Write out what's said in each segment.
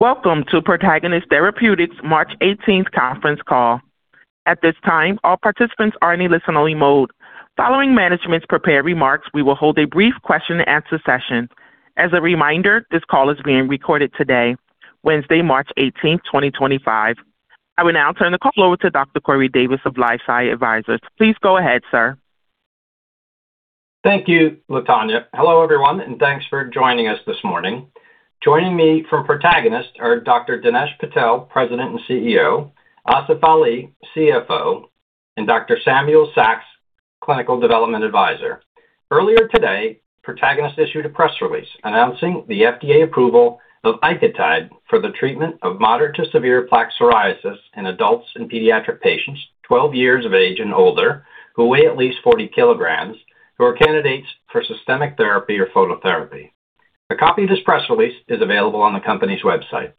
Welcome to Protagonist Therapeutics March 18 conference call. At this time, all participants are in a listen-only mode. Following management's prepared remarks, we will hold a brief question and answer session. As a reminder, this call is being recorded today, Wednesday, March 18, 2025. I will now turn the call over to Dr. Corey Davis of LifeSci Advisors. Please go ahead, sir. Thank you, Latonya. Hello, everyone, and thanks for joining us this morning. Joining me from Protagonist are Dr. Dinesh Patel, President and CEO, Asif Ali, CFO, and Dr. Samuel Saks, Clinical Development Advisor. Earlier today, Protagonist issued a press release announcing the FDA approval of ICOTYDE for the treatment of moderate-to-severe plaque psoriasis in adults and pediatric patients 12 years of age and older who weigh at least 40 kilograms who are candidates for systemic therapy or phototherapy. A copy of this press release is available on the company's website.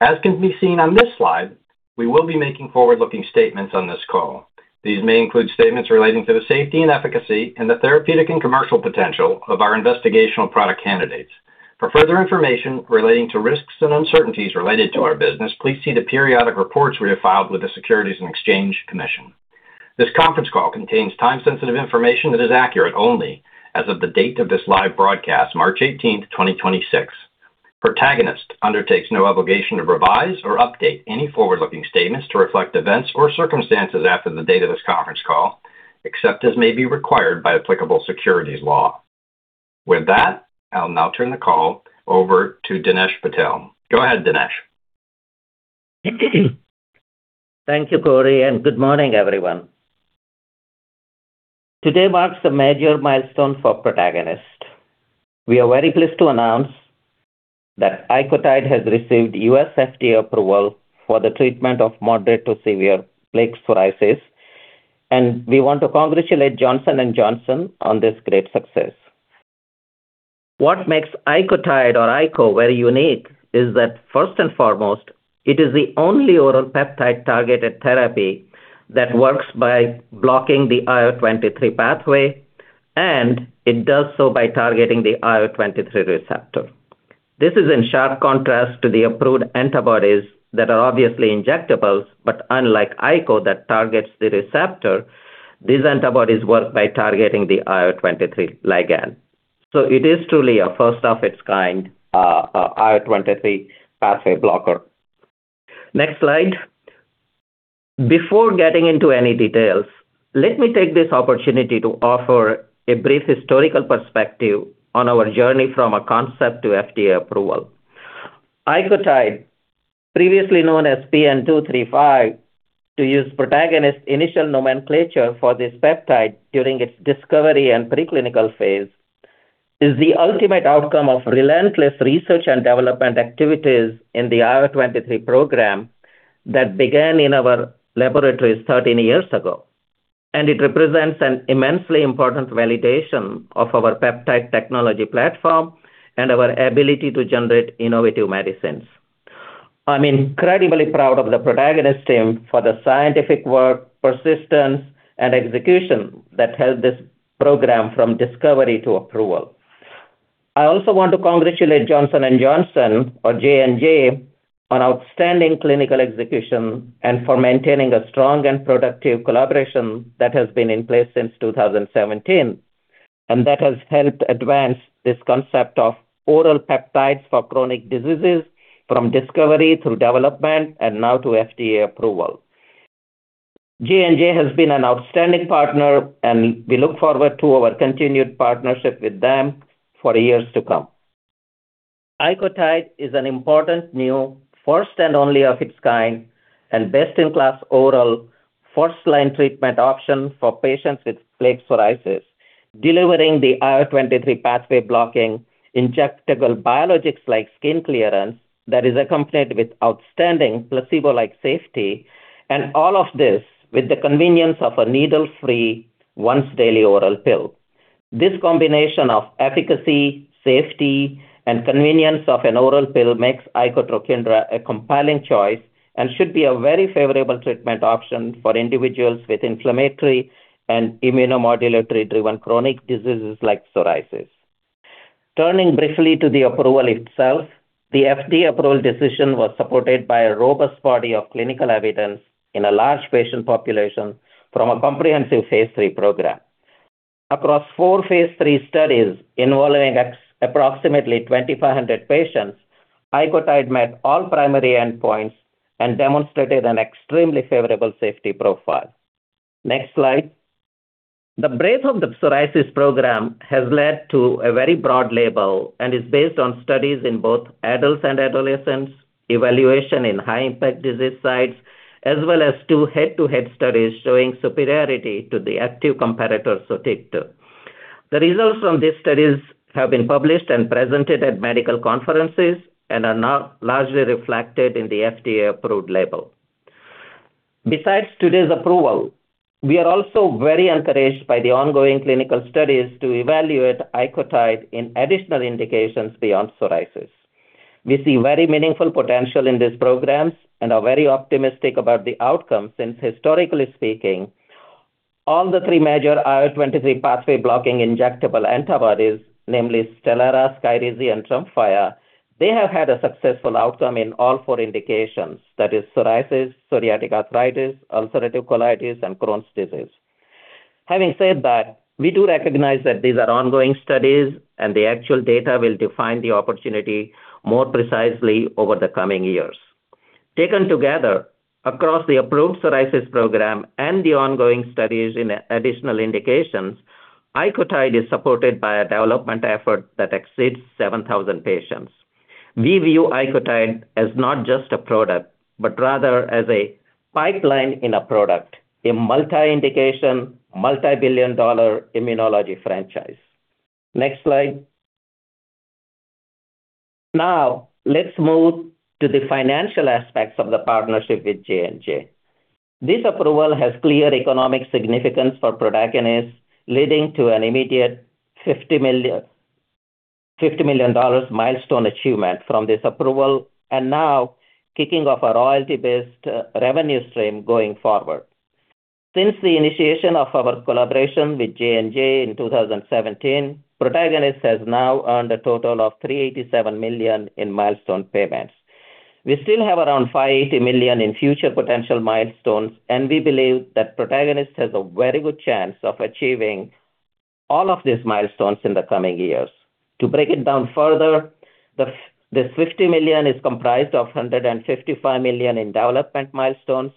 As can be seen on this slide, we will be making forward-looking statements on this call. These may include statements relating to the safety and efficacy and the therapeutic and commercial potential of our investigational product candidates. For further information relating to risks and uncertainties related to our business, please see the periodic reports we have filed with the Securities and Exchange Commission. This conference call contains time-sensitive information that is accurate only as of the date of this live broadcast, March 18, 2026. Protagonist undertakes no obligation to revise or update any forward-looking statements to reflect events or circumstances after the date of this conference call, except as may be required by applicable securities law. With that, I'll now turn the call over to Dinesh Patel. Go ahead, Dinesh. Thank you Corey, and good morning everyone. Today marks a major milestone for Protagonist. We are very pleased to announce that ICOTYDE has received U.S. FDA approval for the treatment of moderate to severe plaque psoriasis, and we want to congratulate Johnson & Johnson on this great success. What makes ICOTYDE or ICO very unique is that, first and foremost, it is the only oral peptide-targeted therapy that works by blocking the IL-23 pathway, and it does so by targeting the IL-23 receptor. This is in sharp contrast to the approved antibodies that are obviously injectables, but unlike ICO that targets the receptor, these antibodies work by targeting the IL-23 ligand. It is truly a first of its kind, IL-23 pathway blocker. Next slide. Before getting into any details, let me take this opportunity to offer a brief historical perspective on our journey from a concept to FDA approval. ICOTYDE, previously known as PN-235, to use Protagonist initial nomenclature for this peptide during its discovery and preclinical phase, is the ultimate outcome of relentless research and development activities in the IL-23 program that began in our laboratories 13 years ago. It represents an immensely important validation of our peptide technology platform and our ability to generate innovative medicines. I'm incredibly proud of the Protagonist team for the scientific work, persistence, and execution that helped this program from discovery to approval. I also want to congratulate Johnson & Johnson or J&J, on outstanding clinical execution and for maintaining a strong and productive collaboration that has been in place since 2017, and that has helped advance this concept of oral peptides for chronic diseases from discovery through development and now to FDA approval. J&J has been an outstanding partner, and we look forward to our continued partnership with them for years to come. ICOTYDE is an important new first and only of its kind and best-in-class oral first-line treatment option for patients with plaque psoriasis, delivering the IL-23 pathway-blocking injectable biologics like skin clearance that is accompanied with outstanding placebo-like safety, and all of this with the convenience of a needle-free once daily oral pill. This combination of efficacy, safety, and convenience of an oral pill makes icotrokinra a compelling choice and should be a very favorable treatment option for individuals with inflammatory and immunomodulatory driven chronic diseases like psoriasis. Turning briefly to the approval itself, the FDA approval decision was supported by a robust body of clinical evidence in a large patient population from a comprehensive phase III program. Across four phase III studies involving approximately 2,500 patients, icotrokinra met all primary endpoints and demonstrated an extremely favorable safety profile. Next slide. The breadth of the psoriasis program has led to a very broad label and is based on studies in both adults and adolescents, evaluation in high-impact disease sites, as well as two head-to-head studies showing superiority to the active comparator, Sotyktu. The results from these studies have been published and presented at medical conferences and are now largely reflected in the FDA-approved label. Besides today's approval, we are also very encouraged by the ongoing clinical studies to evaluate ICOTYDE in additional indications beyond psoriasis. We see very meaningful potential in these programs and are very optimistic about the outcome since historically speaking, all the three major IL-23 pathway blocking injectable antibodies, namely Stelara, Skyrizi, and Tremfya, they have had a successful outcome in all four indications. That is psoriasis, psoriatic arthritis, ulcerative colitis, and Crohn's disease. Having said that, we do recognize that these are ongoing studies and the actual data will define the opportunity more precisely over the coming years. Taken together, across the approved psoriasis program and the ongoing studies in additional indications, ICOTYDE is supported by a development effort that exceeds 7,000 patients. We view ICOTYDE as not just a product, but rather as a pipeline in a product, a multi-indication, multi-billion-dollar immunology franchise. Next slide. Now let's move to the financial aspects of the partnership with J&J. This approval has clear economic significance for Protagonist, leading to an immediate $50 million dollars milestone achievement from this approval, and now kicking off a royalty-based revenue stream going forward. Since the initiation of our collaboration with J&J in 2017, Protagonist has now earned a total of $387 million in milestone payments. We still have around $580 million in future potential milestones, and we believe that Protagonist has a very good chance of achieving all of these milestones in the coming years. To break it down further, this $50 million is comprised of $155 million in development milestones,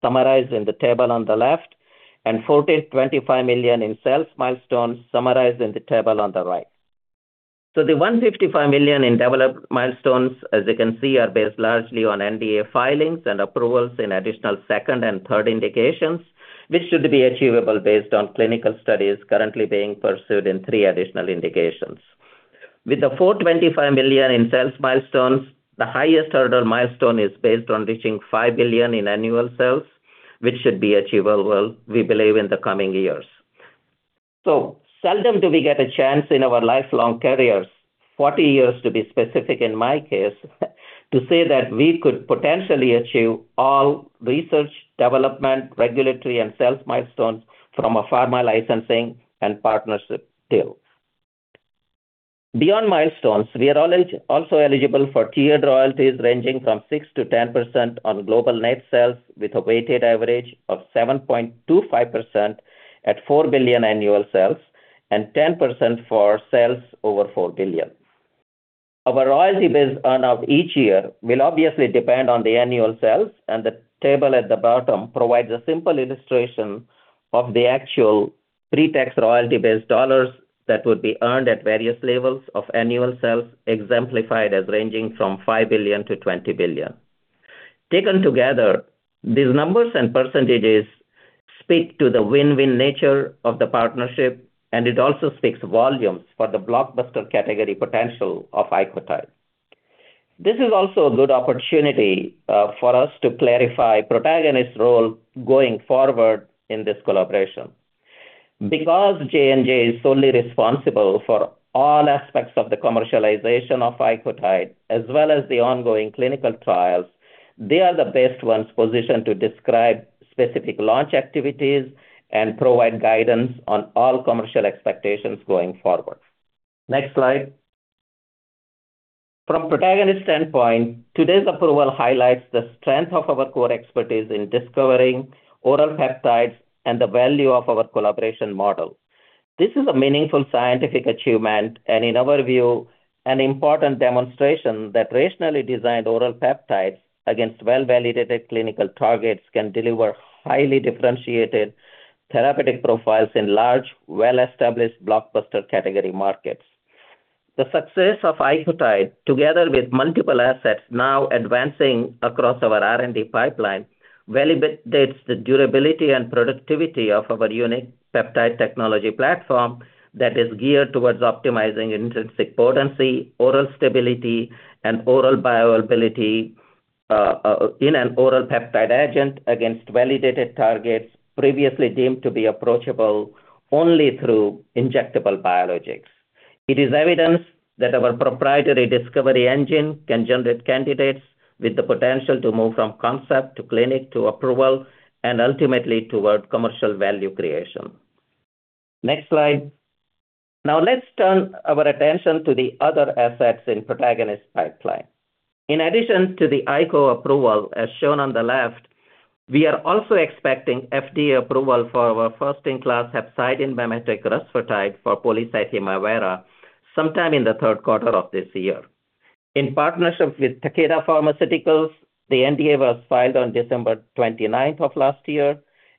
summarized in the table on the left, and $45 million in sales milestones summarized in the table on the right. The $155 million in development milestones, as you can see, are based largely on NDA filings and approvals in additional second and third indications, which should be achievable based on clinical studies currently being pursued in three additional indications. With the $425 million in sales milestones, the highest hurdle milestone is based on reaching $5 billion in annual sales, which should be achievable, we believe, in the coming years. Seldom do we get a chance in our lifelong careers, 40 years to be specific in my case, to say that we could potentially achieve all research, development, regulatory and sales milestones from a pharma licensing and partnership deal. Beyond milestones, we are also eligible for tiered royalties ranging from 6%-10% on global net sales, with a weighted average of 7.25% at $4 billion annual sales and 10% for sales over $4 billion. Our royalty-based earn out each year will obviously depend on the annual sales, and the table at the bottom provides a simple illustration of the actual pre-tax royalty-based dollars that would be earned at various levels of annual sales, exemplified as ranging from $5 billion-$20 billion. Taken together, these numbers and percentages speak to the win-win nature of the partnership, and it also speaks volumes for the blockbuster category potential of ICOTYDE. This is also a good opportunity for us to clarify Protagonist's role going forward in this collaboration. Because J&J is solely responsible for all aspects of the commercialization of ICOTYDE, as well as the ongoing clinical trials, they are the best ones positioned to describe specific launch activities and provide guidance on all commercial expectations going forward. Next slide. From Protagonist's standpoint, today's approval highlights the strength of our core expertise in discovering oral peptides and the value of our collaboration model. This is a meaningful scientific achievement and, in our view, an important demonstration that rationally designed oral peptides against well-validated clinical targets can deliver highly differentiated therapeutic profiles in large, well-established blockbuster category markets. The success of ICOTYDE, together with multiple assets now advancing across our R&D pipeline, validates the durability and productivity of our unique peptide technology platform that is geared towards optimizing intrinsic potency, oral stability, and oral bioavailability in an oral peptide agent against validated targets previously deemed to be approachable only through injectable biologics. It is evidence that our proprietary discovery engine can generate candidates with the potential to move from concept to clinic to approval and ultimately toward commercial value creation. Next slide. Now let's turn our attention to the other assets in Protagonist's pipeline. In addition to the ICOTYDE approval, as shown on the left, we are also expecting FDA approval for our first-in-class hepcidin mimetic rusfertide for polycythemia vera sometime in the Q3 of this year. In partnership with Takeda Pharmaceuticals, the NDA was filed on December twenty-ninth of last year,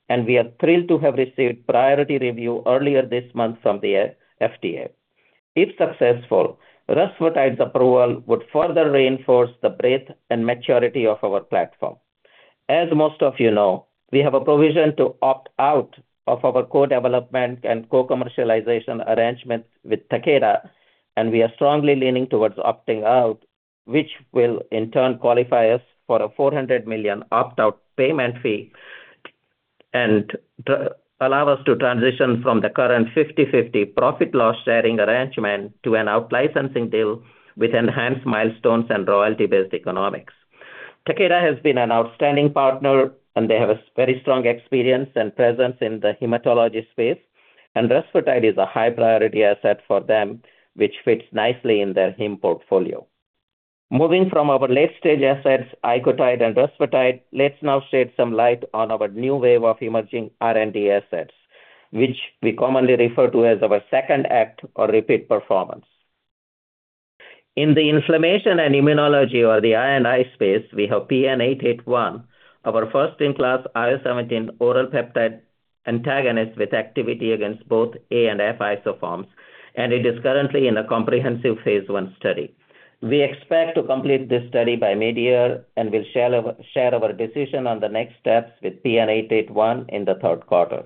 and we are thrilled to have received priority review earlier this month from the FDA. If successful, rusfertide's approval would further reinforce the breadth and maturity of our platform. As most of you know, we have a provision to opt out of our co-development and co-commercialization arrangement with Takeda, and we are strongly leaning towards opting out, which will in turn qualify us for a $400 million opt-out payment fee and allow us to transition from the current 50/50 profit/loss sharing arrangement to an out-licensing deal with enhanced milestones and royalty-based economics. Takeda has been an outstanding partner, and they have a very strong experience and presence in the hematology space. Rusfertide is a high-priority asset for them, which fits nicely in their heme portfolio. Moving from our late-stage assets, icotrokinra and rusfertide, let's now shed some light on our new wave of emerging R&D assets, which we commonly refer to as our second act or repeat performance. In the inflammation and immunology or the I&I space, we have PN881, our first-in-class IL-17 oral peptide antagonist with activity against both A and F isoforms, and it is currently in a comprehensive phase I study. We expect to complete this study by mid-year and will share our decision on the next steps with PN881 in the Q3.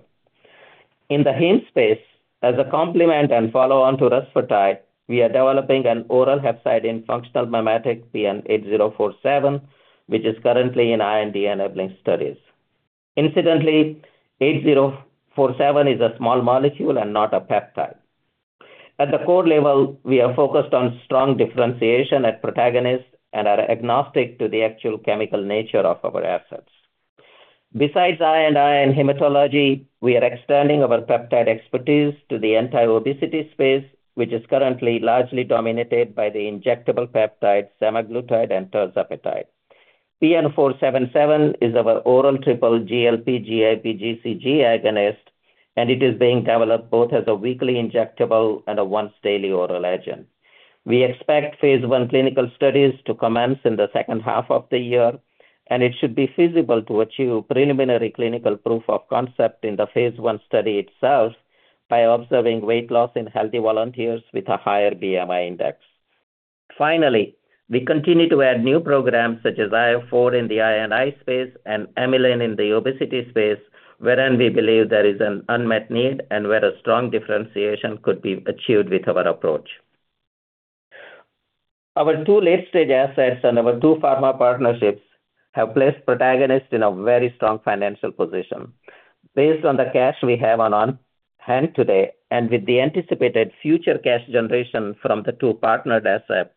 In the heme space, as a complement and follow-on to rusfertide, we are developing an oral hepcidin functional mimetic, PN8047, which is currently in IND-enabling studies. Incidentally, eight zero four seven is a small molecule and not a peptide. At the core level, we are focused on strong differentiation at Protagonist and are agnostic to the actual chemical nature of our assets. Besides I&I and hematology, we are extending our peptide expertise to the anti-obesity space, which is currently largely dominated by the injectable peptides, semaglutide and tirzepatide. PN477 is our oral triple GLP GIP GCG agonist, and it is being developed both as a weekly injectable and a once daily oral agent. We expect phase I clinical studies to commence in the second half of the year, and it should be feasible to achieve preliminary clinical proof of concept in the phase I study itself by observing weight loss in healthy volunteers with a higher BMI index. Finally, we continue to add new programs such as IL-4 in the I&I space and amylin in the obesity space, wherein we believe there is an unmet need and where a strong differentiation could be achieved with our approach. Our two late-stage assets and our two pharma partnerships have placed Protagonist in a very strong financial position. Based on the cash we have on hand today and with the anticipated future cash generation from the two partnered assets,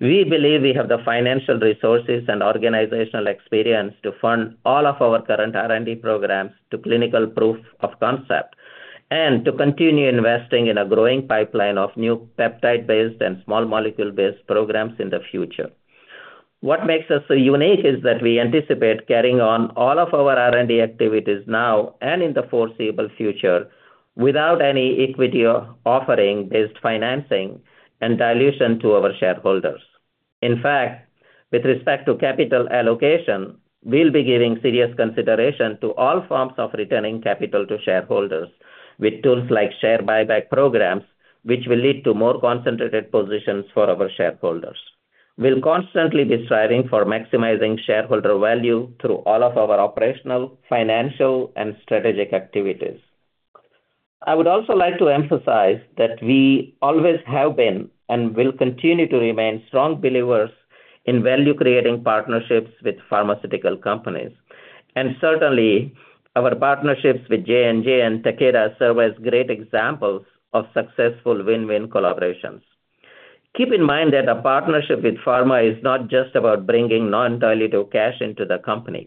we believe we have the financial resources and organizational experience to fund all of our current R&D programs to clinical proof of concept and to continue investing in a growing pipeline of new peptide-based and small molecule-based programs in the future. What makes us so unique is that we anticipate carrying on all of our R&D activities now and in the foreseeable future without any equity offering-based financing and dilution to our shareholders. In fact, with respect to capital allocation, we'll be giving serious consideration to all forms of returning capital to shareholders with tools like share buyback programs, which will lead to more concentrated positions for our shareholders. We'll constantly be striving for maximizing shareholder value through all of our operational, financial, and strategic activities. I would also like to emphasize that we always have been and will continue to remain strong believers in value-creating partnerships with pharmaceutical companies. Certainly, our partnerships with J&J and Takeda serve as great examples of successful win-win collaborations. Keep in mind that a partnership with pharma is not just about bringing non-dilutive cash into the company.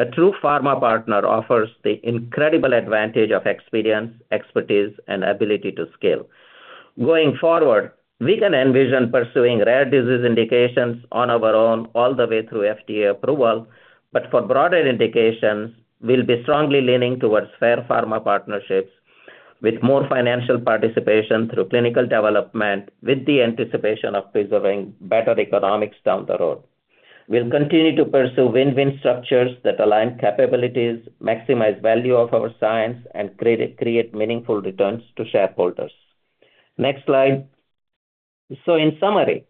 A true pharma partner offers the incredible advantage of experience, expertise, and ability to scale. Going forward, we can envision pursuing rare disease indications on our own all the way through FDA approval. For broader indications, we'll be strongly leaning towards fair pharma partnerships with more financial participation through clinical development with the anticipation of preserving better economics down the road. We'll continue to pursue win-win structures that align capabilities, maximize value of our science, and create meaningful returns to shareholders. Next slide. In summary,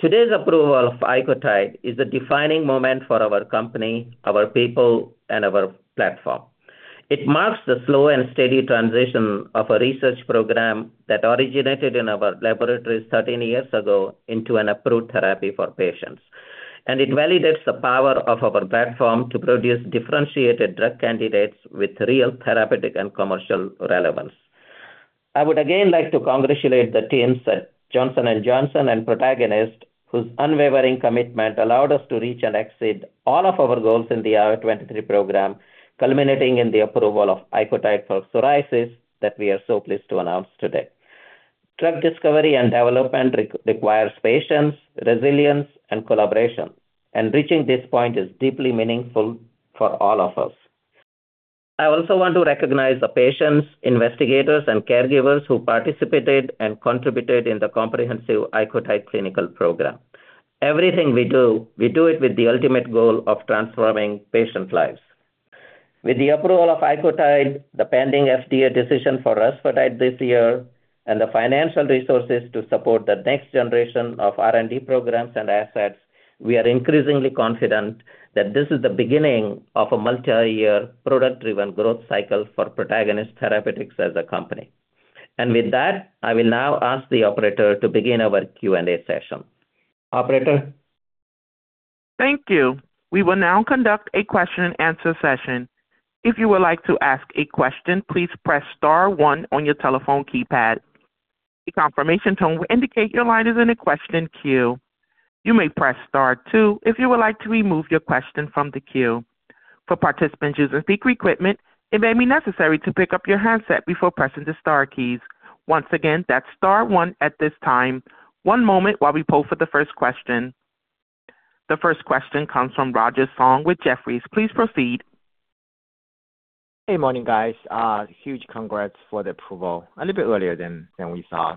today's approval of ICOTYDE is a defining moment for our company, our people, and our platform. It marks the slow and steady transition of a research program that originated in our laboratories 13 years ago into an approved therapy for patients. It validates the power of our platform to produce differentiated drug candidates with real therapeutic and commercial relevance. I would again like to congratulate the teams at Johnson & Johnson and Protagonist, whose unwavering commitment allowed us to reach and exceed all of our goals in the IL-23 program, culminating in the approval of ICOTYDE for psoriasis that we are so pleased to announce today. Drug discovery and development requires patience, resilience, and collaboration, and reaching this point is deeply meaningful for all of us. I also want to recognize the patients, investigators, and caregivers who participated and contributed in the comprehensive ICOTYDE clinical program. Everything we do, we do it with the ultimate goal of transforming patients' lives. With the approval of ICOTYDE, the pending FDA decision for rusfertide this year, and the financial resources to support the next generation of R&D programs and assets, we are increasingly confident that this is the beginning of a multiyear product-driven growth cycle for Protagonist Therapeutics as a company. With that, I will now ask the operator to begin our Q&A session. Operator? Thank you. We will now conduct a question and answer session. If you would like to ask a question, please press star one on your telephone keypad. A confirmation tone will indicate your line is in a question queue. You may press star two if you would like to remove your question from the queue. For participants using speaker equipment, it may be necessary to pick up your handset before pressing the star keys. Once again, that's star one at this time. One moment while we poll for the first question. The first question comes from Roger Song with Jefferies. Please proceed. Hey, morning, guys. Huge congrats for the approval. A little bit earlier than we saw,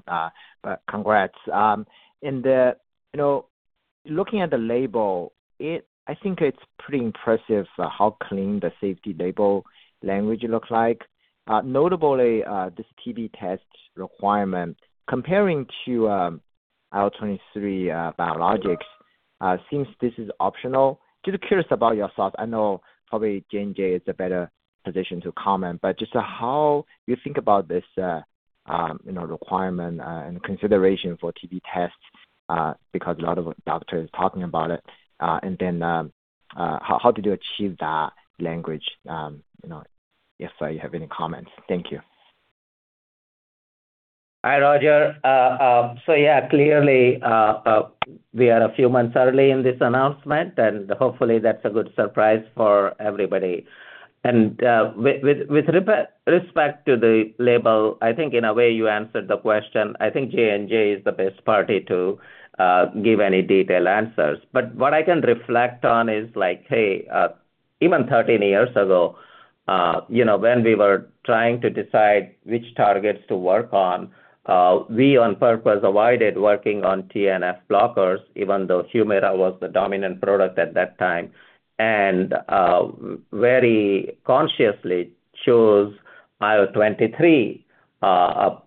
but congrats. You know, looking at the label, I think it's pretty impressive how clean the safety label language looks like. Notably, this TB test requirement, comparing to IL-23 biologics, since this is optional, just curious about your thoughts. I know probably J&J is a better position to comment, but just how you think about this, you know, requirement and consideration for TB tests, because a lot of doctors talking about it. How did you achieve that language? You know, if you have any comments. Thank you. Hi, Roger. So yeah, clearly, we are a few months early in this announcement, and hopefully that's a good surprise for everybody. With respect to the label, I think in a way you answered the question. I think J&J is the best party to give any detailed answers. What I can reflect on is like, hey, even 13 years ago, you know, when we were trying to decide which targets to work on, we on purpose avoided working on TNF blockers, even though Humira was the dominant product at that time, and very consciously chose IL-23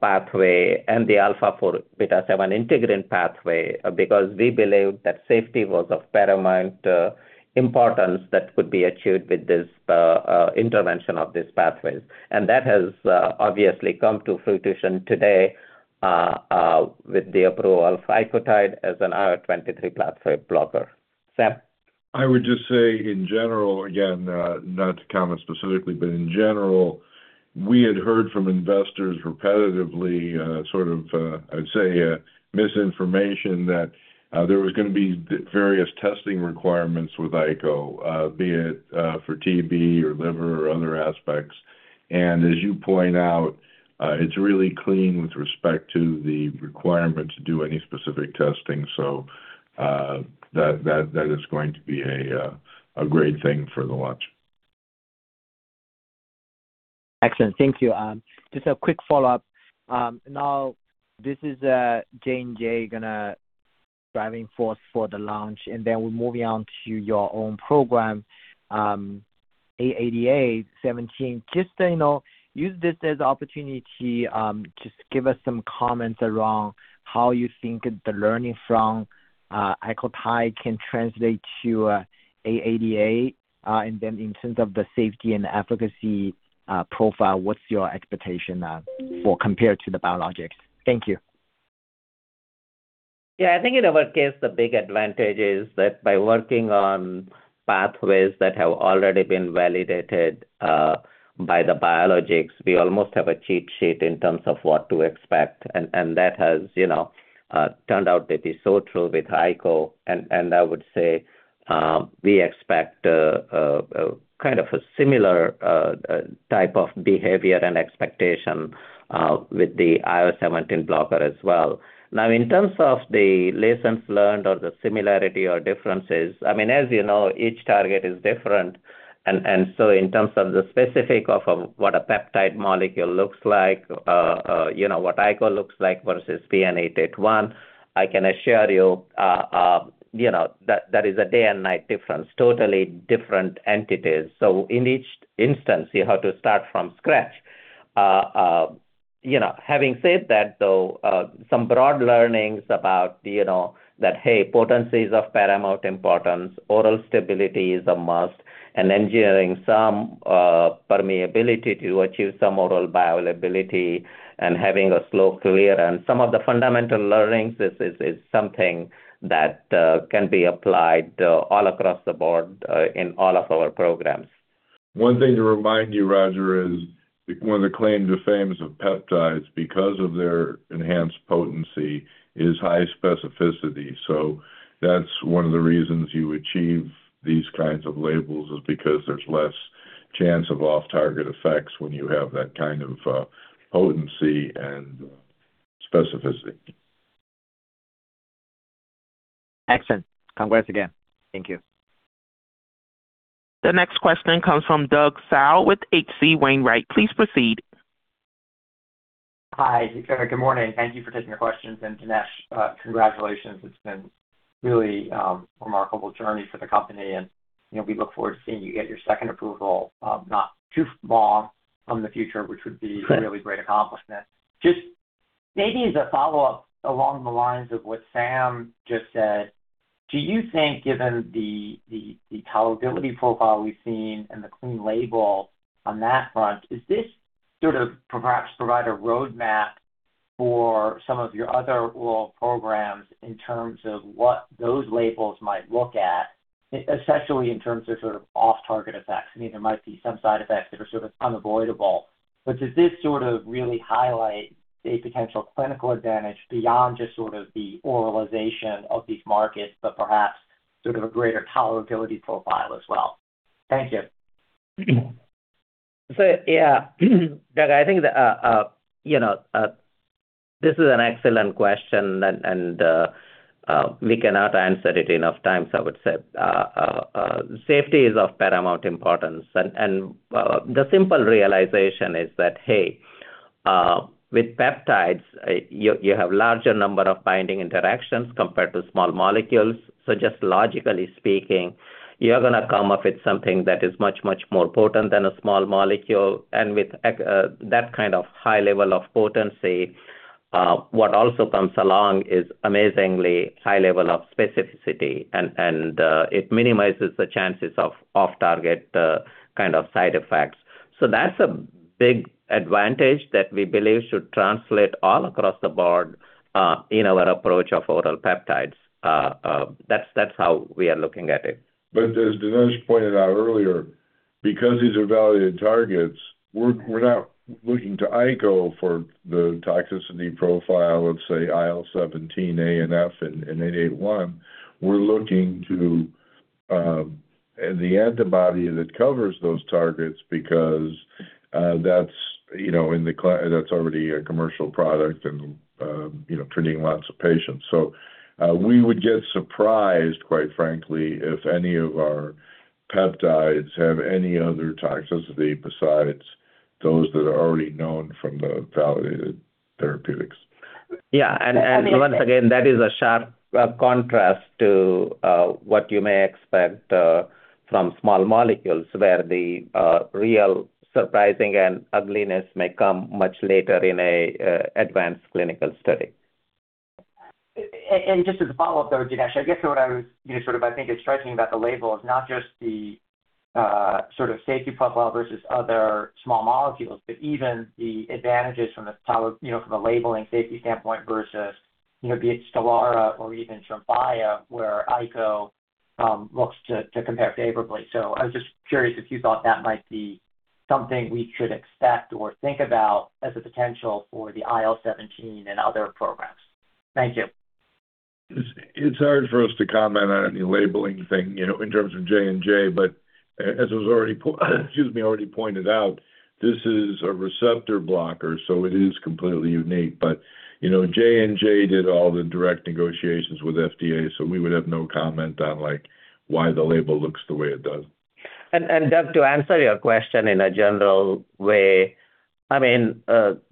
pathway and the alpha-four beta-seven integrin pathway because we believed that safety was of paramount importance that could be achieved with this intervention of these pathways. That has obviously come to fruition today with the approval of ICOTYDE as an IL-23 pathway blocker. Sam? I would just say in general, again, not to comment specifically, but in general, we had heard from investors repetitively, sort of, I'd say, misinformation that there was gonna be various testing requirements with ICO, be it for TB or liver or other aspects. As you point out, it's really clean with respect to the requirement to do any specific testing. That is going to be a great thing for the launch. Excellent. Thank you. Just a quick follow-up. Now this is J&J as the driving force for the launch, and then we're moving on to your own program, IL-17. Just, you know, use this as an opportunity, just give us some comments around how you think the learning from icotrokinra can translate to IL-17, and then in terms of the safety and efficacy profile, what's your expectation for, compared to the biologics? Thank you. Yeah. I think in our case, the big advantage is that by working on pathways that have already been validated by the biologics, we almost have a cheat sheet in terms of what to expect. That has, you know, turned out to be so true with ICO. I would say we expect kind of a similar type of behavior and expectation with the IL-17 blocker as well. Now, in terms of the lessons learned or the similarity or differences, I mean, as you know, each target is different. In terms of the specifics of what a peptide molecule looks like, you know, what ICO looks like versus PN-881, I can assure you know, that is a day and night difference. Totally different entities. In each instance, you have to start from scratch. You know, having said that, though, some broad learnings about, you know, that hey, potency is of paramount importance, oral stability is a must, and engineering some permeability to achieve some oral bioavailability and having a slow clear and some of the fundamental learnings is something that can be applied all across the board in all of our programs. One thing to remind you, Roger, is one of the claims to fame of peptides because of their enhanced potency is high specificity. That's one of the reasons you achieve these kinds of labels is because there's less chance of off-target effects when you have that kind of potency and specificity. Excellent. Congrats again. Thank you. The next question comes from Douglas Tsao with H.C. Wainwright. Please proceed. Hi. Good morning. Thank you for taking the questions. Dinesh, congratulations. It's been really remarkable journey for the company, and, you know, we look forward to seeing you get your second approval, not too far from the future, which would be a really great accomplishment. Just maybe as a follow-up along the lines of what Sam just said, do you think, given the tolerability profile we've seen and the clean label on that front, is this sort of perhaps provide a roadmap for some of your other oral programs in terms of what those labels might look like? Essentially, in terms of sort of off-target effects. I mean, there might be some side effects that are sort of unavoidable, but does this sort of really highlight a potential clinical advantage beyond just sort of the oralization of these markets, but perhaps sort of a greater tolerability profile as well? Thank you. Doug, I think, you know, this is an excellent question and we cannot answer it enough times, I would say. Safety is of paramount importance. The simple realization is that, hey, with peptides, you have larger number of binding interactions compared to small molecules. Just logically speaking, you're gonna come up with something that is much, much more potent than a small molecule. With that kind of high level of potency, what also comes along is amazingly high level of specificity, and it minimizes the chances of off-target kind of side effects. That's a big advantage that we believe should translate all across the board in our approach of oral peptides. That's how we are looking at it. As Dinesh pointed out earlier, because these are validated targets, we're not looking to ICO for the toxicity profile of, say, IL-17A and IL-17F and 881. We're looking to the antibody that covers those targets because that's, you know, that's already a commercial product and you know treating lots of patients. We would get surprised, quite frankly, if any of our peptides have any other toxicity besides those that are already known from the validated therapeutics. Yeah. Once again, that is a sharp contrast to what you may expect from small molecules where the real surprising and ugliness may come much later in a advanced clinical study. Just as a follow-up, though, Dinesh, I guess what I was, you know, sort of I think is striking about the label is not just the sort of safety profile versus other small molecules, but even the advantages from a labeling safety standpoint versus, you know, be it Stelara or even Tremfya, where ICO looks to compare favorably. I was just curious if you thought that might be something we should expect or think about as a potential for the IL-17 and other programs. Thank you. It's hard for us to comment on any labeling thing, you know, in terms of J&J, but as was already pointed out, this is a receptor blocker, so it is completely unique. You know, J&J did all the direct negotiations with FDA, so we would have no comment on, like, why the label looks the way it does. Doug, to answer your question in a general way, I mean,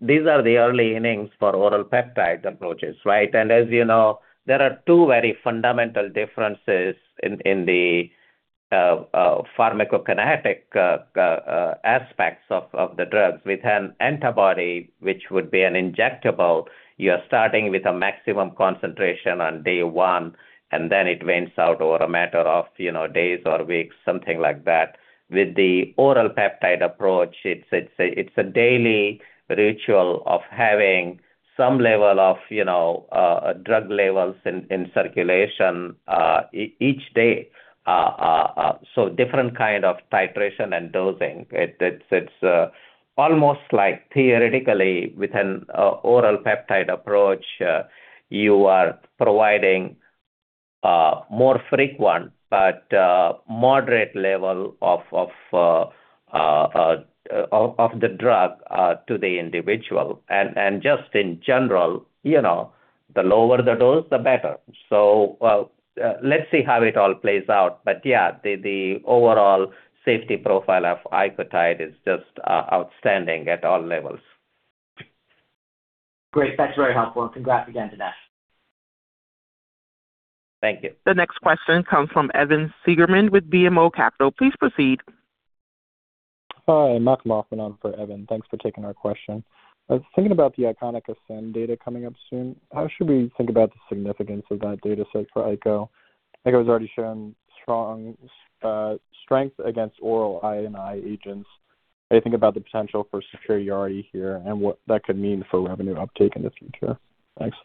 these are the early innings for oral peptide approaches, right? As you know, there are two very fundamental differences in the pharmacokinetic aspects of the drugs. With an antibody, which would be an injectable, you are starting with a maximum concentration on day one, and then it wanes out over a matter of, you know, days or weeks, something like that. With the oral peptide approach, it's a daily ritual of having some level of, you know, drug levels in circulation each day. So different kind of titration and dosing. It's almost like theoretically with an oral peptide approach, you are providing more frequent but moderate level of the drug to the individual. Just in general, you know, the lower the dose, the better. Let's see how it all plays out. Yeah, the overall safety profile of ICOTYDE is just outstanding at all levels. Great. That's very helpful, and congrats again, Dinesh. Thank you. The next question comes from Evan Seigerman with BMO Capital. Please proceed. Hi, Malcolm Hoffman on for Evan. Thanks for taking our question. I was thinking about the ICONIC-ASCEND data coming up soon. How should we think about the significance of that data set for icotrokinra? Icotrokinra has already shown strong strength against oral I&I agents. How do you think about the potential for superiority here and what that could mean for revenue uptake in the future? Thanks.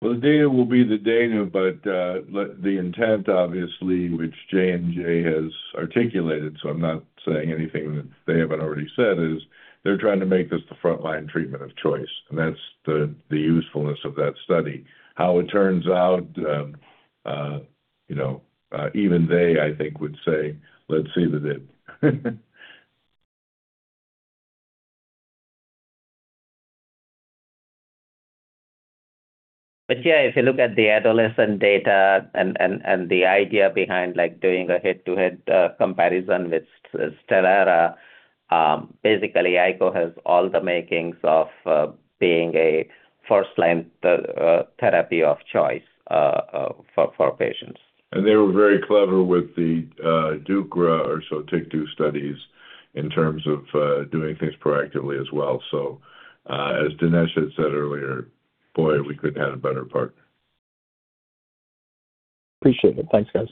Well, the data will be the data, but let the intent obviously, which J&J has articulated, so I'm not saying anything that they haven't already said, is they're trying to make this the frontline treatment of choice, and that's the usefulness of that study. How it turns out, you know, even they, I think, would say, "Let's see the data. Yeah, if you look at the adolescent data and the idea behind like doing a head-to-head comparison with Stelara, basically icotrokinra has all the makings of being a first-line therapy of choice for patients. They were very clever with the Sotyktu studies in terms of doing things proactively as well. As Dinesh had said earlier, boy, we couldn't have a better partner. Appreciate it. Thanks, guys.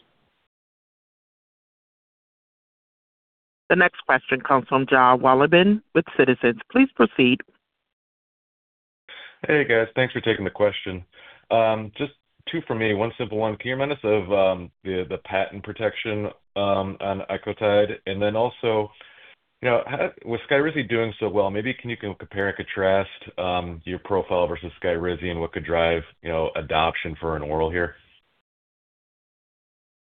The next question comes from Jonathan Wolleben with Citizens JMP. Please proceed. Hey, guys. Thanks for taking the question. Just two for me. One simple one. Can you remind us of the patent protection on ICOTYDE? Also, how, with Skyrizi doing so well, maybe can you compare and contrast your profile versus Skyrizi and what could drive adoption for an oral here?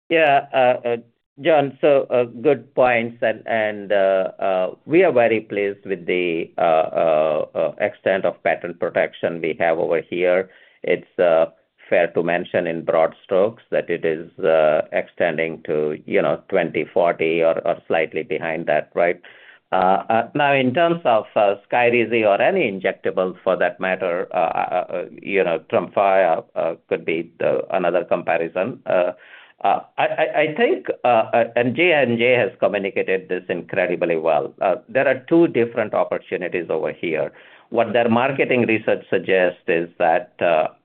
Yeah. John, so, good points. We are very pleased with the extent of patent protection we have over here. It's fair to mention in broad strokes that it is extending to, you know, 2040 or slightly behind that, right? Now in terms of Skyrizi or any injectable for that matter, you know, Tremfya could be another comparison. I think and J&J has communicated this incredibly well. There are two different opportunities over here. What their marketing research suggests is that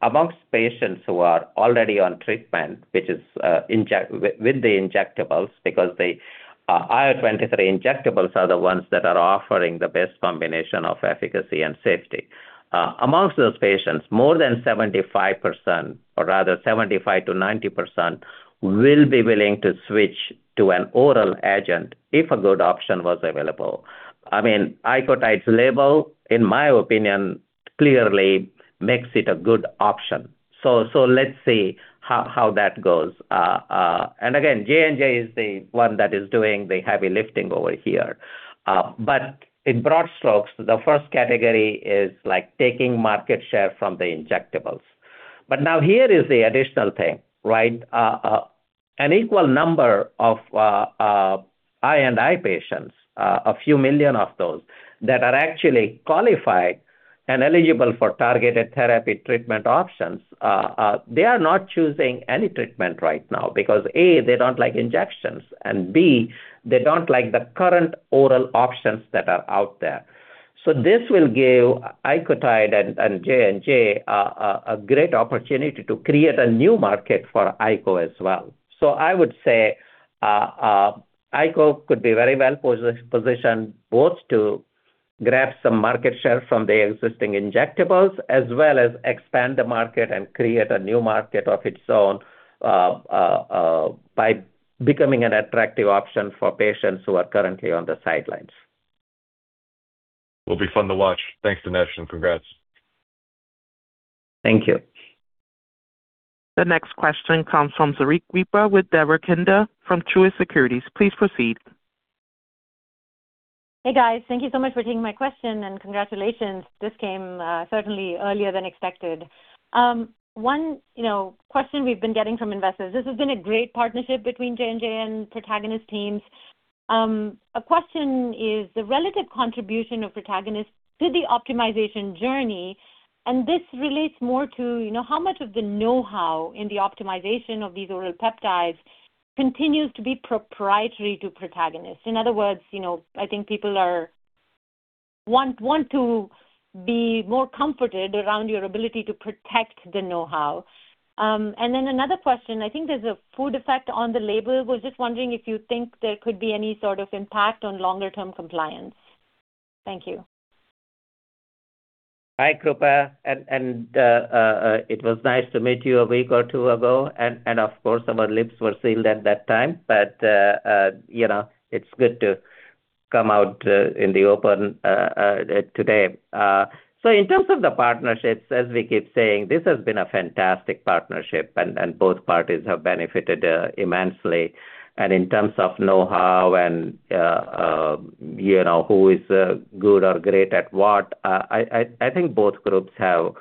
among patients who are already on treatment, which is with the injectables because the IL-23 injectables are the ones that are offering the best combination of efficacy and safety. Among those patients, more than 75% or rather 75%-90% will be willing to switch to an oral agent if a good option was available. I mean, ICOTYDE's label, in my opinion, clearly makes it a good option. Let's see how that goes. Again, J&J is the one that is doing the heavy lifting over here. In broad strokes, the first category is like taking market share from the injectables. Now here is the additional thing, right? An equal number of I&I patients, a few million of those that are actually qualified and eligible for targeted therapy treatment options, they are not choosing any treatment right now because, A, they don't like injections, and B, they don't like the current oral options that are out there. This will give ICOTYDE and J&J a great opportunity to create a new market for ICO as well. I would say ICO could be very well positioned both to grab some market share from the existing injectables as well as expand the market and create a new market of its own by becoming an attractive option for patients who are currently on the sidelines. Will be fun to watch. Thanks, Dinesh, and congrats. Thank you. The next question comes from Srikripa Devarakonda from Truist Securities. Please proceed. Hey, guys. Thank you so much for taking my question, and congratulations. This came certainly earlier than expected. One, you know, question we've been getting from investors, this has been a great partnership between J&J and Protagonist teams. A question is the relative contribution of Protagonist to the optimization journey, and this relates more to, you know, how much of the know-how in the optimization of these oral peptides continues to be proprietary to Protagonist. In other words, you know, I think people want to be more comforted around your ability to protect the know-how. Another question. I think there's a food effect on the label. Was just wondering if you think there could be any sort of impact on longer term compliance. Thank you. Hi, Krupa. It was nice to meet you a week or two ago, and of course, our lips were sealed at that time, but you know, it's good to come out in the open today. In terms of the partnerships, as we keep saying, this has been a fantastic partnership, and both parties have benefited immensely. In terms of know-how and you know, who is good or great at what, I think both groups have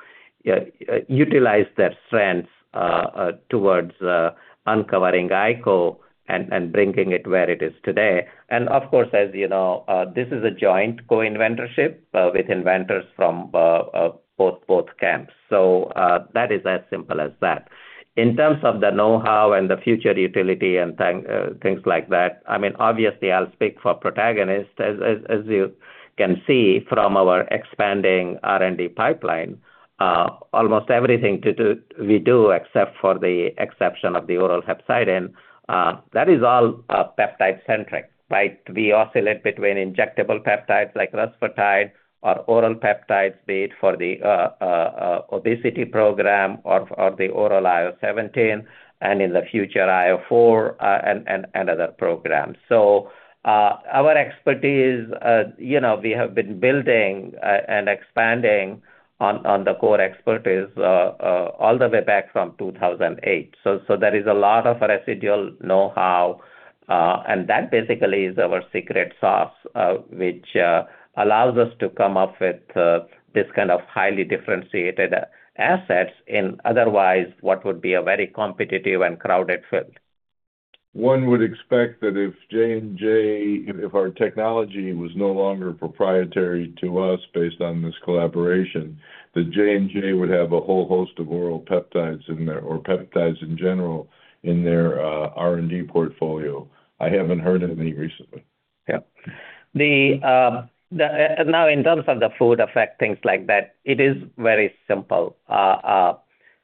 utilized their strengths towards uncovering icotrokinra and bringing it where it is today. Of course, as you know, this is a joint co-inventorship with inventors from both camps. That is as simple as that. In terms of the know-how and the future utility and things like that, I mean, obviously, I'll speak for Protagonist. As you can see from our expanding R&D pipeline, almost everything we do, except for the exception of the oral hepcidin, that is all peptide centric, right? We oscillate between injectable peptides like rusfertide or oral peptides, be it for the obesity program or the oral IL-17 and in the future, IL-4, and other programs. Our expertise, you know, we have been building and expanding on the core expertise all the way back from 2008. There is a lot of residual know-how, and that basically is our secret sauce, which allows us to come up with this kind of highly differentiated assets in otherwise what would be a very competitive and crowded field. One would expect that if our technology was no longer proprietary to us based on this collaboration, that J&J would have a whole host of oral peptides in their or peptides in general in their R&D portfolio. I haven't heard of any recently. Yeah. Now in terms of the food effect, things like that, it is very simple.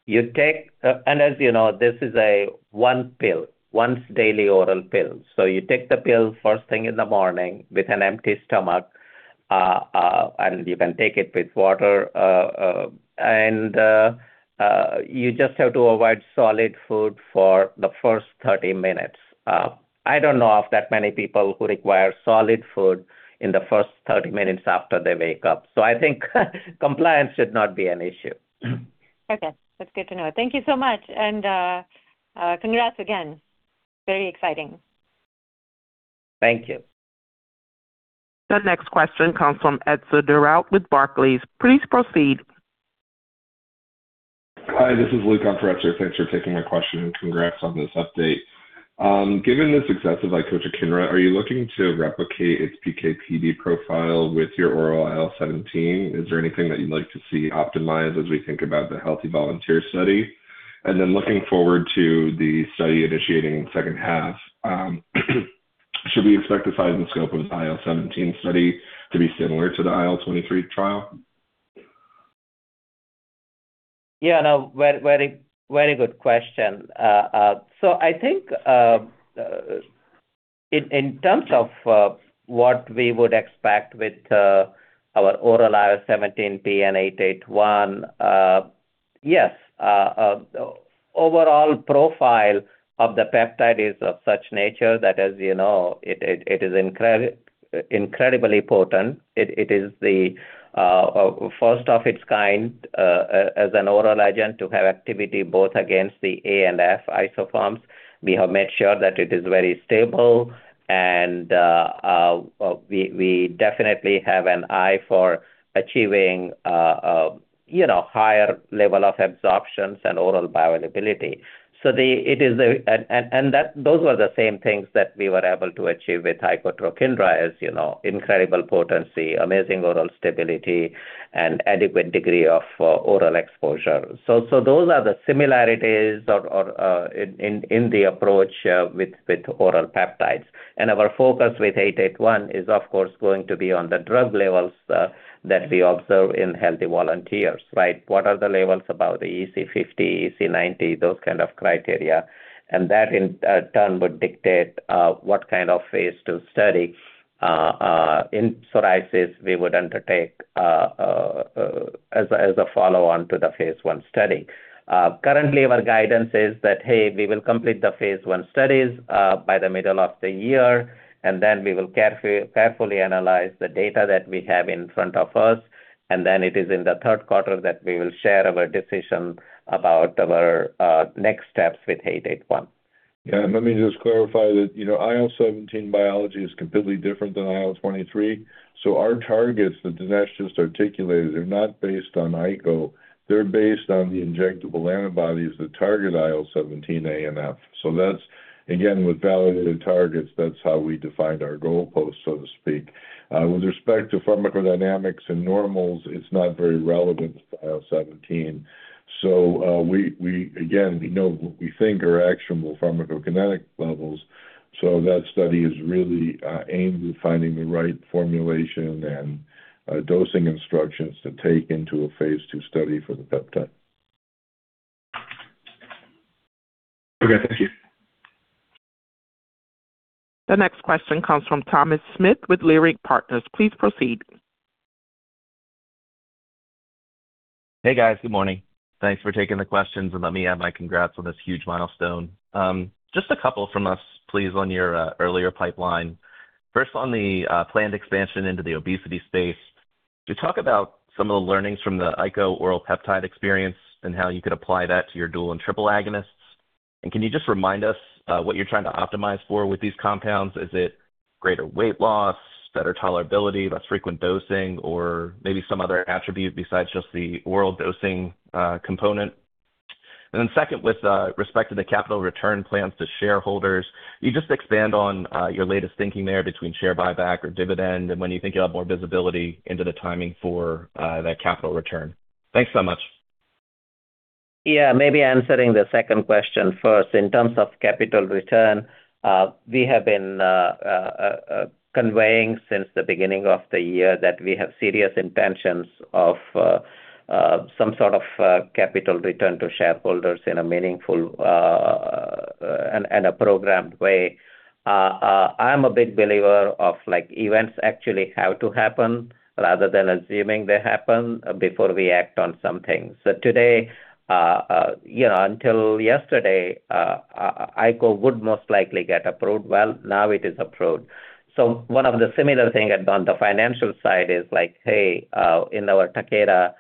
You take, and as you know, this is a one pill, once daily oral pill. You take the pill first thing in the morning with an empty stomach, and you can take it with water. You just have to avoid solid food for the first 30 minutes. I don't know of that many people who require solid food in the first 30 minutes after they wake up. I think compliance should not be an issue. Okay. That's good to know. Thank you so much. Congrats again. Very exciting. Thank you. The next question comes from Etzer Darout with Barclays. Please proceed. Hi, this is Etzer Darout. Thanks for taking my question, and congrats on this update. Given the success of icotrokinra, are you looking to replicate its PK/PD profile with your oral IL-17? Is there anything that you'd like to see optimized as we think about the healthy volunteer study? Looking forward to the study initiating in second half, should we expect the size and scope of IL-17 study to be similar to the IL-23 trial? Yeah. No. Very, very, very good question. So I think, in terms of what we would expect with our oral IL-17 PN-881, yes. Overall profile of the peptide is of such nature that, as you know, it is incredibly potent. It is the first of its kind, as an oral agent to have activity both against the A and F isoforms. We have made sure that it is very stable, and we definitely have an eye for achieving, you know, higher level of absorptions and oral bioavailability. That those were the same things that we were able to achieve with icotrokinra is, you know, incredible potency, amazing oral stability and adequate degree of oral exposure. Those are the similarities in the approach with oral peptides. Our focus with eight eight one is of course going to be on the drug levels that we observe in healthy volunteers, right? What are the levels above the EC50, EC90, those kind of criteria. That in turn would dictate what kind of phase II study as a follow-on to the phase I study. Currently our guidance is that, hey, we will complete the phase I studies by the middle of the year, and then we will carefully analyze the data that we have in front of us, and then it is in the Q3 that we will share our decision about our next steps with eight eight one. Yeah. Let me just clarify that, you know, IL-17 biology is completely different than IL-23. Our targets that Dinesh just articulated are not based on icotrokinra, they're based on the injectable antibodies that target IL-17A and IL-17F. That's again, with validated targets, that's how we defined our goalpost, so to speak. With respect to pharmacodynamics in normals, it's not very relevant to IL-17. We again know what we think are actionable pharmacokinetic levels. That study is really aimed at finding the right formulation and dosing instructions to take into a phase II study for the peptide. Okay. Thank you. The next question comes from Thomas Smith with Leerink Partners. Please proceed. Hey, guys. Good morning. Thanks for taking the questions. Let me add my congrats on this huge milestone. Just a couple from us, please, on your earlier pipeline. First, on the planned expansion into the obesity space. Could you talk about some of the learnings from the icotrokinra oral peptide experience and how you could apply that to your dual and triple agonists? Can you just remind us what you're trying to optimize for with these compounds? Is it greater weight loss, better tolerability, less frequent dosing, or maybe some other attribute besides just the oral dosing component? Then second, with respect to the capital return plans to shareholders, can you just expand on your latest thinking there between share buyback or dividend and when you think you'll have more visibility into the timing for that capital return? Thanks so much. Yeah. Maybe answering the second question first. In terms of capital return, we have been conveying since the beginning of the year that we have serious intentions of some sort of capital return to shareholders in a meaningful and a programmed way. I'm a big believer of like events actually have to happen rather than assuming they happen before we act on some things. Today, you know, until yesterday, ICO would most likely get approved. Well, now it is approved. One of the similar thing on the financial side is like, hey, in our Takeda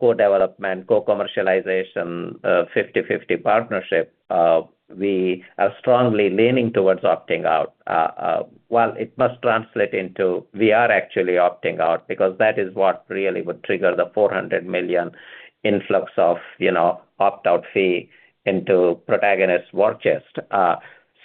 co-development, co-commercialization 50/50 partnership, we are strongly leaning towards opting out. While it must translate into we are actually opting out because that is what really would trigger the $400 million influx of, you know, opt-out fee into Protagonist war chest.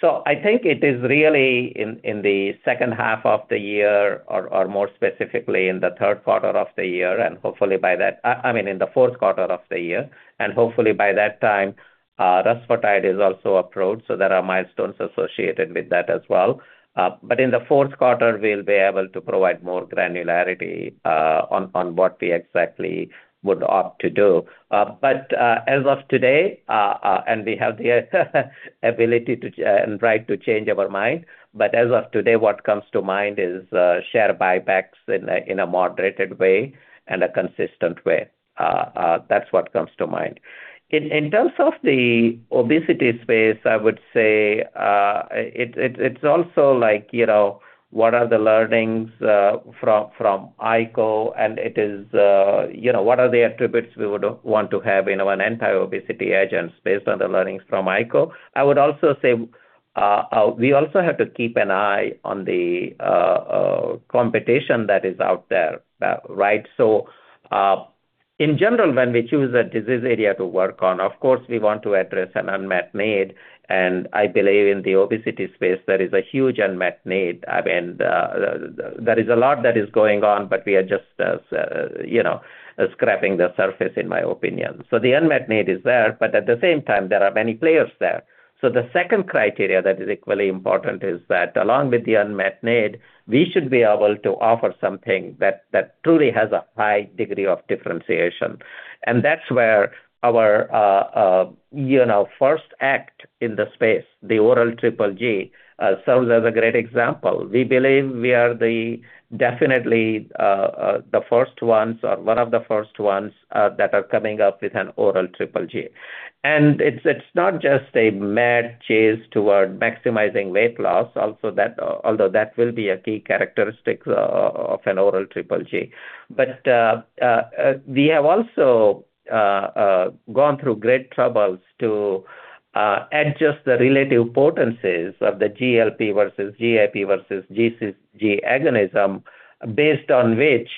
So I think it is really in the second half of the year or more specifically in the Q3 of the year, and hopefully by that I mean in the Q4 of the year, and hopefully by that time, rusfertide is also approved, so there are milestones associated with that as well. But in the Q4, we'll be able to provide more granularity on what we exactly would opt to do. But as of today, and we have the ability and right to change our mind. As of today, what comes to mind is share buybacks in a moderated way and a consistent way. That's what comes to mind. In terms of the obesity space, I would say it's also like, you know, what are the learnings from ICO? It is, you know, what are the attributes we would want to have in an anti-obesity agent based on the learnings from ICO. I would also say we also have to keep an eye on the competition that is out there, right. In general, when we choose a disease area to work on, of course, we want to address an unmet need. I believe in the obesity space there is a huge unmet need. I mean, the There is a lot that is going on, but we are just scratching the surface in my opinion. The unmet need is there, but at the same time there are many players there. The second criterion that is equally important is that along with the unmet need, we should be able to offer something that truly has a high degree of differentiation. That's where our first asset in the space, the oral triple G, serves as a great example. We believe we are definitely the first ones or one of the first ones that are coming up with an oral triple G. It's not just a mad chase toward maximizing weight loss, although that will be a key characteristic of an oral triple G. We have also gone through great troubles to adjust the relative potencies of the GLP versus GIP versus GCG agonism, based on which,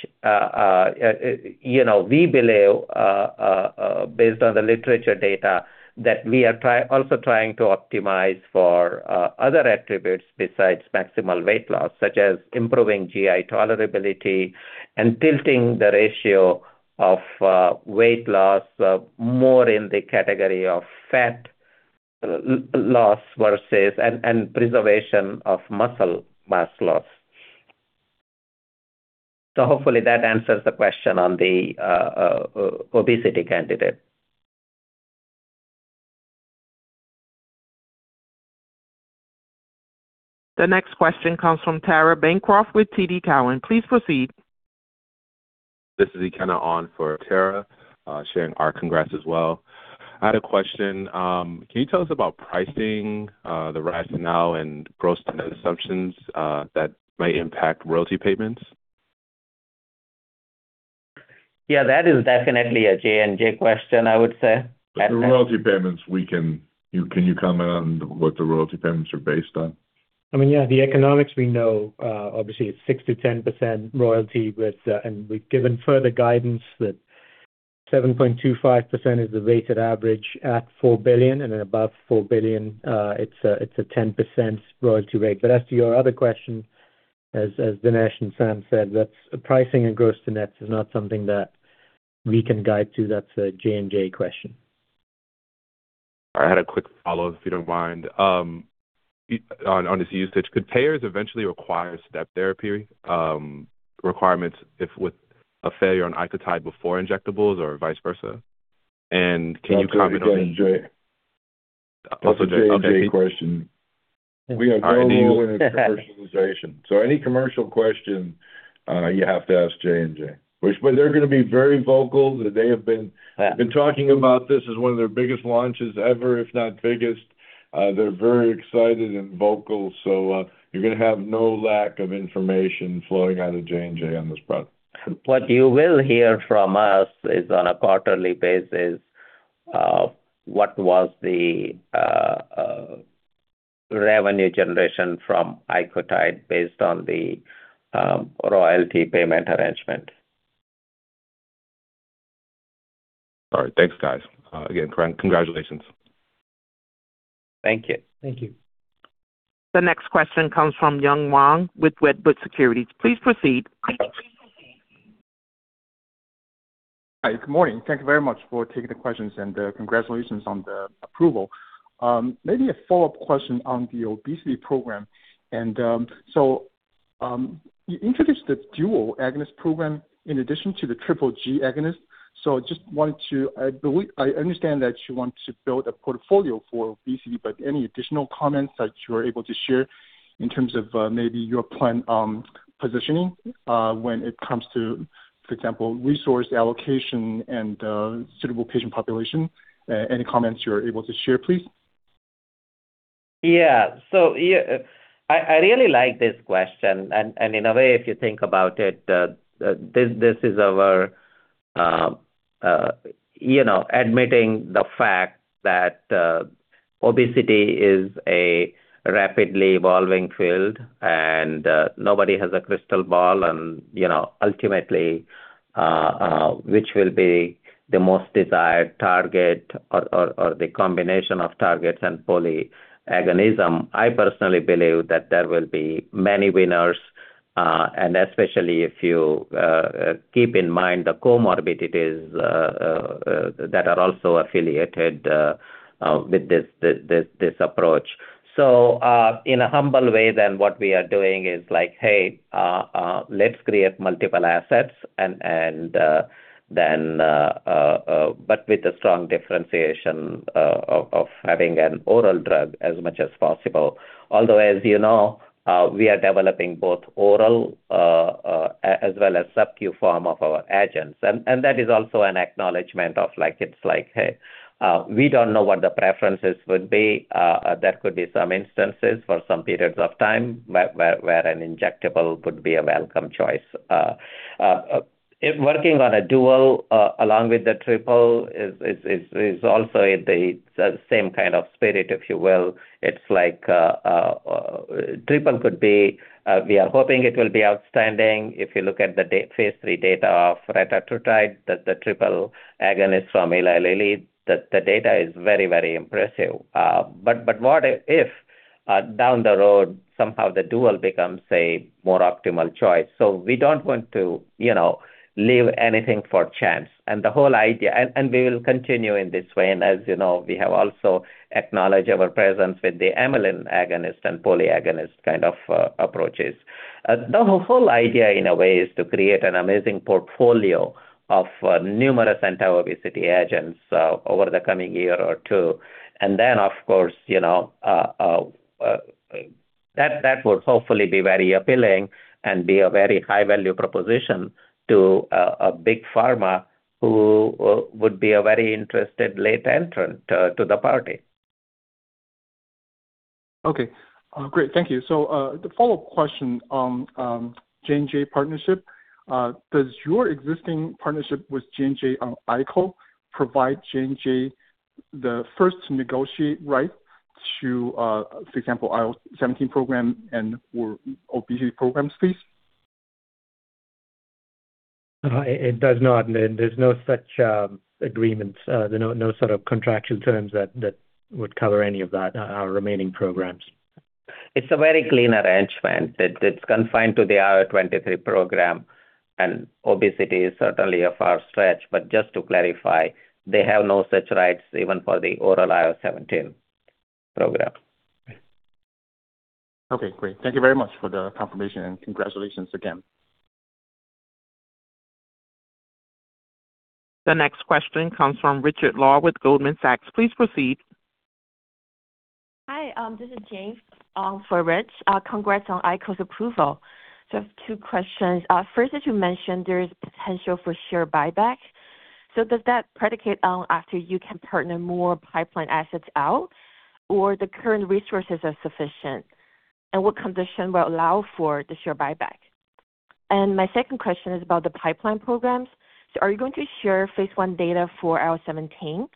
you know, we believe, based on the literature data, that we are also trying to optimize for other attributes besides maximal weight loss, such as improving GI tolerability and tilting the ratio of weight loss more in the category of fat loss versus and preservation of muscle mass loss. Hopefully that answers the question on the obesity candidate. The next question comes from Tara Bancroft with TD Cowen. Please proceed. This is Ikenna on for Tara, sharing our congrats as well. I had a question. Can you tell us about pricing, the gross-to-net and gross assumptions, that may impact royalty payments? Yeah, that is definitely a J&J question, I would say. Can you comment on what the royalty payments are based on? I mean, yeah, the economics we know, obviously it's 6%-10% royalty with and we've given further guidance that 7.25% is the weighted average at $4 billion, and above $4 billion, it's a 10% royalty rate. But as to your other question, as Dinesh and Sam said, that's the pricing and gross-to-net is not something that we can guide to. That's a J&J question. I had a quick follow-up, if you don't mind. On this usage, could payers eventually require step therapy requirements if with a failure on icotrokinra before injectables or vice versa? Can you comment on- That's a J&J. Also J&J. That's a J&J question. We have no- All right. Personalization. Any commercial question, you have to ask J&J. They're gonna be very vocal. They have been. Yeah. Been talking about this as one of their biggest launches ever, if not biggest. They're very excited and vocal, so, you're gonna have no lack of information flowing out of J&J on this product. What you will hear from us is on a quarterly basis, what was the revenue generation from ICOTYDE based on the royalty payment arrangement. All right. Thanks, guys. Again, congratulations. Thank you. Thank you. The next question comes from Evan Wang Guggenheim Securities. Please proceed. Hi. Good morning. Thank you very much for taking the questions, and, congratulations on the approval. Maybe a follow-up question on the obesity program. You introduced the dual agonist program in addition to the Triple G agonist. I understand that you want to build a portfolio for obesity, but any additional comments that you are able to share in terms of, maybe your plan on positioning, when it comes to, for example, resource allocation and, suitable patient population? Any comments you're able to share, please? Yeah. Yeah, I really like this question. In a way, if you think about it, this is our you know admitting the fact that obesity is a rapidly evolving field and nobody has a crystal ball and you know, ultimately which will be the most desired target or the combination of targets and polyagonism. I personally believe that there will be many winners and especially if you keep in mind the comorbidities that are also affiliated with this approach. In a humble way then what we are doing is like hey let's create multiple assets and then but with a strong differentiation of having an oral drug as much as possible. Although, as you know, we are developing both oral, as well as subcu form of our agents. That is also an acknowledgement of, like, we don't know what the preferences would be. There could be some instances for some periods of time where an injectable would be a welcome choice. Working on a dual, along with the triple is also in the same kind of spirit, if you will. Triple could be, we are hoping it will be outstanding if you look at the phase III data of retatrutide, the triple agonist from Eli Lilly, the data is very, very impressive. What if, down the road, somehow the dual becomes a more optimal choice? We don't want to, you know, leave anything for chance. The whole idea. We will continue in this way. As you know, we have also acknowledged our presence with the amylin agonist and polyagonist kind of approaches. The whole idea in a way is to create an amazing portfolio of numerous anti-obesity agents over the coming year or two. Then of course, you know, that would hopefully be very appealing and be a very high value proposition to a big pharma who would be a very interested late entrant to the party. Okay. Great. Thank you. The follow-up question on J&J partnership. Does your existing partnership with J&J on ICO provide J&J the first negotiate right to, for example, IL-17 program and/or obesity programs, please? It does not. There's no such agreement. There are no sort of contractual terms that would cover any of that, our remaining programs. It's a very clean arrangement. It's confined to the IL-23 program, and obesity is certainly a far stretch. Just to clarify, they have no such rights even for the oral IL-17 program. Okay, great. Thank you very much for the confirmation, and congratulations again. The next question comes from Richard Law with Goldman Sachs. Please proceed. Hi, this is Jane for Richard. Congrats on ICOTYDE's approval. I have two questions. First, as you mentioned, there is potential for share buyback. Does that predicated on after you can partner more pipeline assets out or the current resources are sufficient? What condition will allow for the share buyback? My second question is about the pipeline programs. Are you going to share phase I data for IL-17?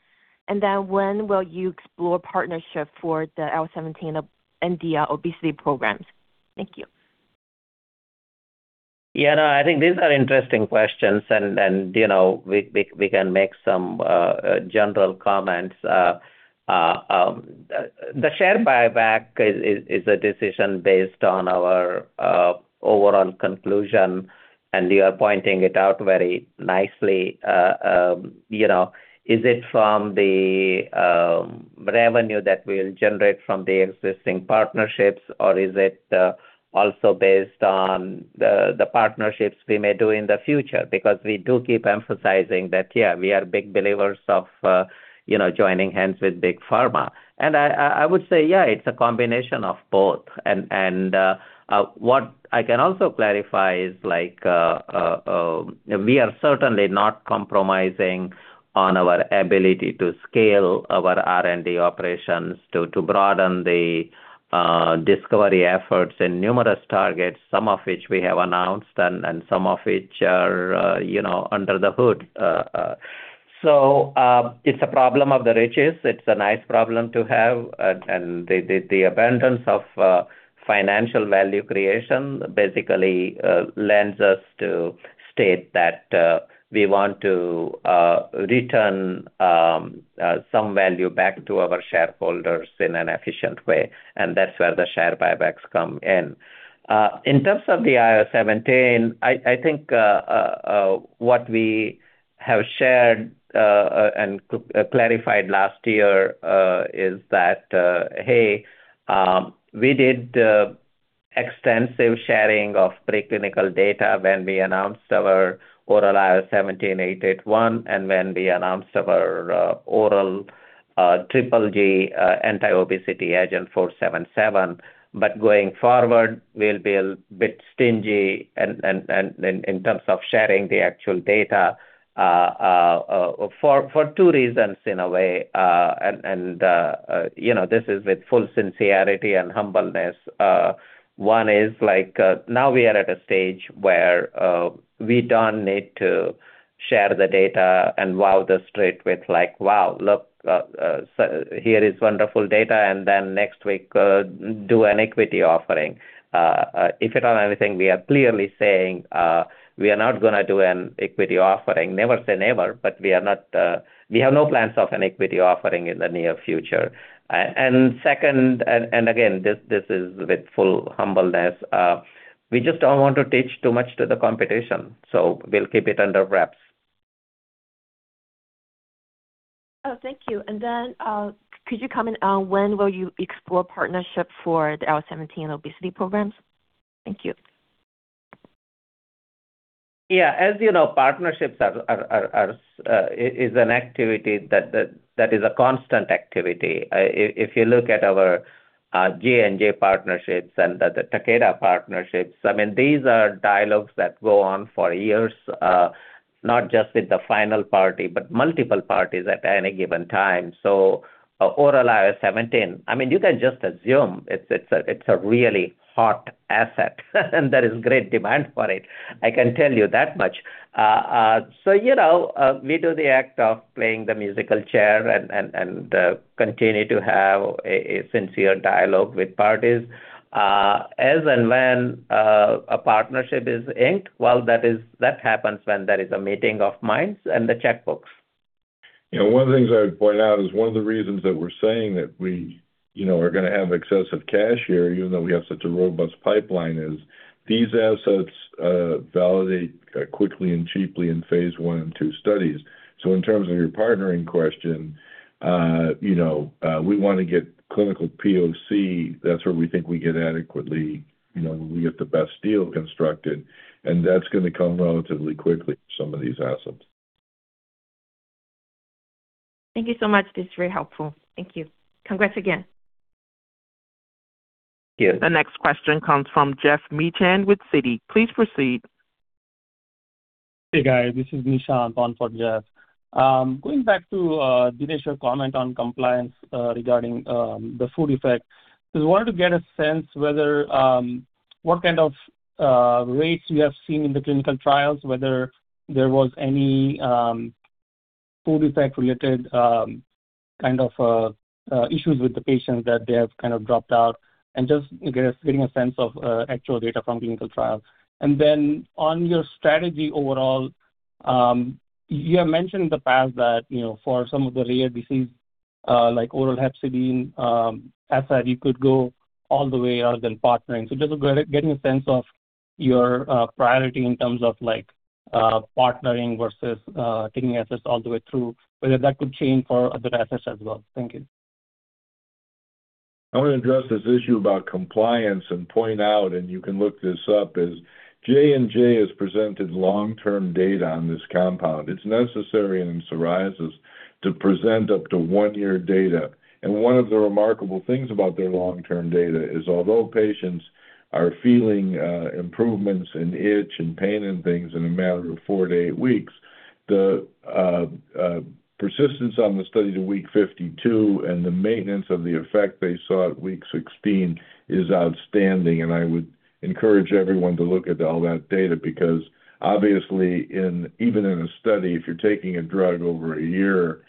When will you explore partnership for the IL-17 and the obesity programs? Thank you. Yeah, no, I think these are interesting questions and you know we can make some general comments. The share buyback is a decision based on our overall conclusion, and you are pointing it out very nicely. You know, is it from the revenue that we'll generate from the existing partnerships or is it also based on the partnerships we may do in the future? Because we do keep emphasizing that, yeah, we are big believers of you know joining hands with big pharma. I would say, yeah, it's a combination of both. What I can also clarify is like, we are certainly not compromising on our ability to scale our R&D operations to broaden the discovery efforts in numerous targets, some of which we have announced and some of which are, you know, under the hood. It's a problem of the riches. It's a nice problem to have. The abundance of financial value creation basically lends us to state that we want to return some value back to our shareholders in an efficient way. That's where the share buybacks come in. In terms of the IL-17, I think what we have shared and clarified last year is that, hey, we did extensive sharing of preclinical data when we announced our oral IL-17 881 and when we announced our oral triple G anti-obesity agent, 477. Going forward, we'll be a bit stingy and in terms of sharing the actual data for two reasons in a way. You know, this is with full sincerity and humbleness. One is like, now we are at a stage where we don't need to share the data and wow the street with like, "Wow, look, so here is wonderful data," and then next week do an equity offering. If at all anything, we are clearly saying we are not gonna do an equity offering. Never say never, but we have no plans of an equity offering in the near future. Second, again, this is with full humbleness, we just don't want to teach too much to the competition, so we'll keep it under wraps. Oh, thank you. Could you comment on when will you explore partnership for the IL-17 obesity programs? Thank you. Yeah. As you know, partnerships are an activity that is a constant activity. If you look at our J&J partnerships and the Takeda partnerships, I mean, these are dialogues that go on for years, not just with the final party, but multiple parties at any given time. Oral IL-17, I mean, you can just assume it's a really hot asset and there is great demand for it, I can tell you that much. You know, we do the act of playing the musical chairs and continue to have a sincere dialogue with parties. As and when a partnership is inked, well, that happens when there is a meeting of minds and the checkbooks. You know, one of the things I would point out is one of the reasons that we're saying that we, you know, are gonna have excessive cash here even though we have such a robust pipeline is these assets validate quickly and cheaply in phase I and II studies. In terms of your partnering question, you know, we wanna get clinical POC. That's where we think we get adequately, you know, we get the best deal constructed, and that's gonna come relatively quickly for some of these assets. Thank you so much. This is very helpful. Thank you. Congrats again. Yes. The next question comes from Jeff Meehan with Citi. Please proceed. Hey, guys. This is Nishant on for Jeff Meehan. Going back to Dinesh Patel, your comment on compliance regarding the food effect. Just wanted to get a sense whether what kind of rates you have seen in the clinical trials, whether there was any food effect related kind of issues with the patients that they have kind of dropped out and just getting a sense of actual data from clinical trials. On your strategy overall, you have mentioned in the past that, you know, for some of the rare disease like oral hepcidin asset, you could go all the way rather than partnering. Just getting a sense of your priority in terms of like partnering versus taking assets all the way through, whether that could change for other assets as well. Thank you. I wanna address this issue about compliance and point out, and you can look this up, is J&J has presented long-term data on this compound. It's necessary in psoriasis to present up to one-year data. One of the remarkable things about their long-term data is although patients are feeling improvements in itch and pain and things in a matter of four-eight weeks, the persistence on the study to week 52 and the maintenance of the effect they saw at week 16 is outstanding. I would encourage everyone to look at all that data because obviously in even in a study, if you're taking a drug over a year,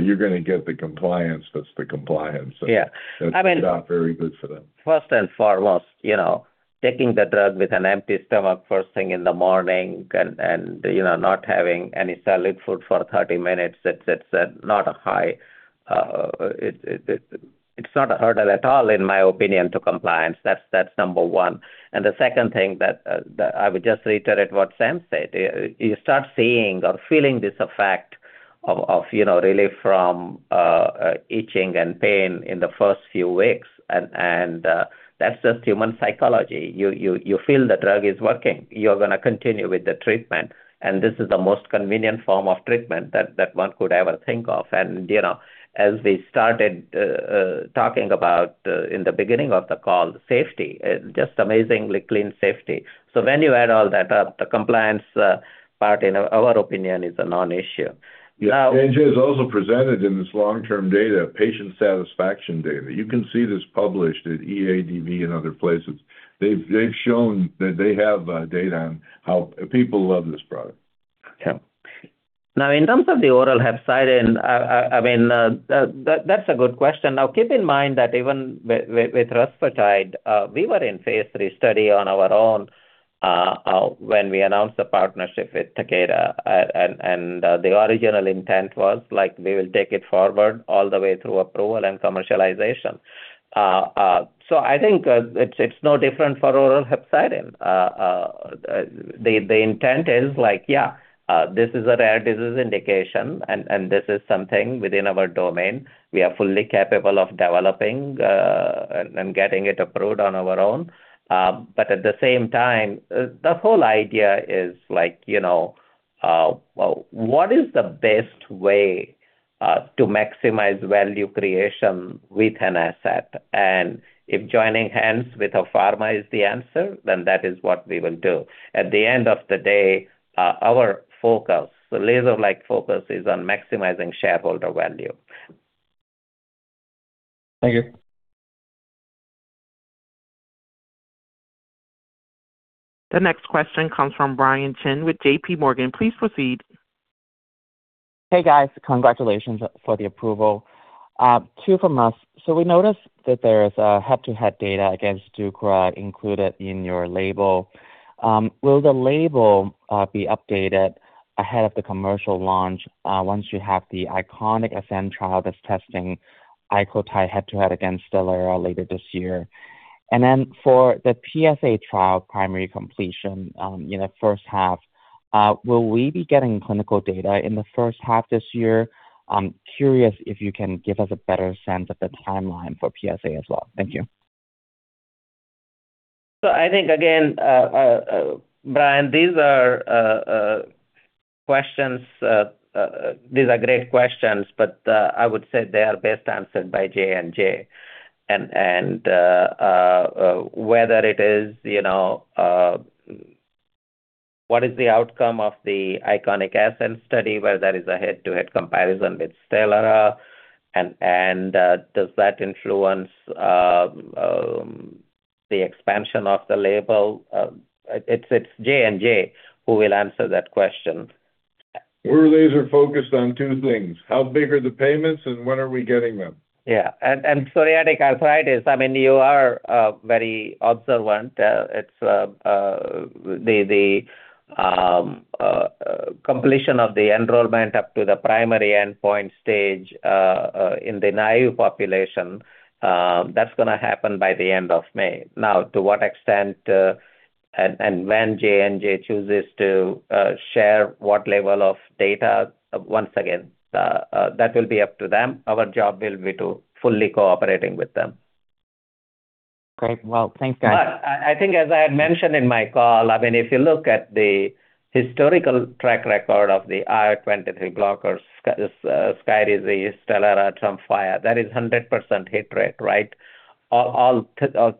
you're gonna get the compliance that's the compliance. Yeah. I mean. That's turned out very good for them. First and foremost, you know, taking the drug with an empty stomach first thing in the morning and you know, not having any solid food for 30 minutes, it's not a hurdle at all, in my opinion, to compliance. That's number one. The second thing that I would just reiterate what Sam said, you start seeing or feeling this effect of you know, relief from itching and pain in the first few weeks. That's just human psychology. You feel the drug is working, you're gonna continue with the treatment. This is the most convenient form of treatment that one could ever think of. You know, as we started talking about in the beginning of the call, safety just amazingly clean safety. When you add all that up, the compliance part in our opinion is a non-issue. Now J&J has also presented in this long-term data patient satisfaction data. You can see this published at EADV and other places. They've shown that they have data on how people love this product. Yeah. Now, in terms of the oral hepcidin, I mean, that's a good question. Now, keep in mind that even with rusfertide, we were in phase III study on our own, when we announced the partnership with Takeda. The original intent was like we will take it forward all the way through approval and commercialization. I think, it's no different for oral hepcidin. The intent is like, yeah, this is a rare disease indication and this is something within our domain we are fully capable of developing, and getting it approved on our own. At the same time, the whole idea is like, you know, what is the best way, to maximize value creation with an asset? If joining hands with a pharma is the answer, then that is what we will do. At the end of the day, our focus, the laser-like focus is on maximizing shareholder value. Thank you. The next question comes from Ryan Chin with J.P. Morgan. Please proceed. Hey, guys. Congratulations for the approval. Two from us. We noticed that there is a head-to-head data against Sotyktu included in your label. Will the label be updated ahead of the commercial launch once you have the ICONIC-ASCEND trial that's testing ICOTYDE head-to-head against Stelara later this year? For the PSA trial primary completion, you know, first half, will we be getting clinical data in the first half this year? I'm curious if you can give us a better sense of the timeline for PSA as well. Thank you. I think, again, Ryan, these are great questions, but I would say they are best answered by J&J. Whether it is, you know, what is the outcome of the ICONIC-ASCEND study where there is a head-to-head comparison with Stelara and does that influence the expansion of the label? It's J&J who will answer that question. We're laser focused on two things, how big are the payments and when are we getting them? Yeah. Psoriatic arthritis, I mean, you are very observant. It's the completion of the enrollment up to the primary endpoint stage in the naive population that's gonna happen by the end of May. Now, to what extent and when J&J chooses to share what level of data, once again, that will be up to them. Our job will be to fully cooperating with them. Great. Well, thanks, guys. I think as I had mentioned in my call, I mean, if you look at the historical track record of the IL-23 blockers, Skyrizi, Stelara, Tremfya, that is 100% hit rate, right? All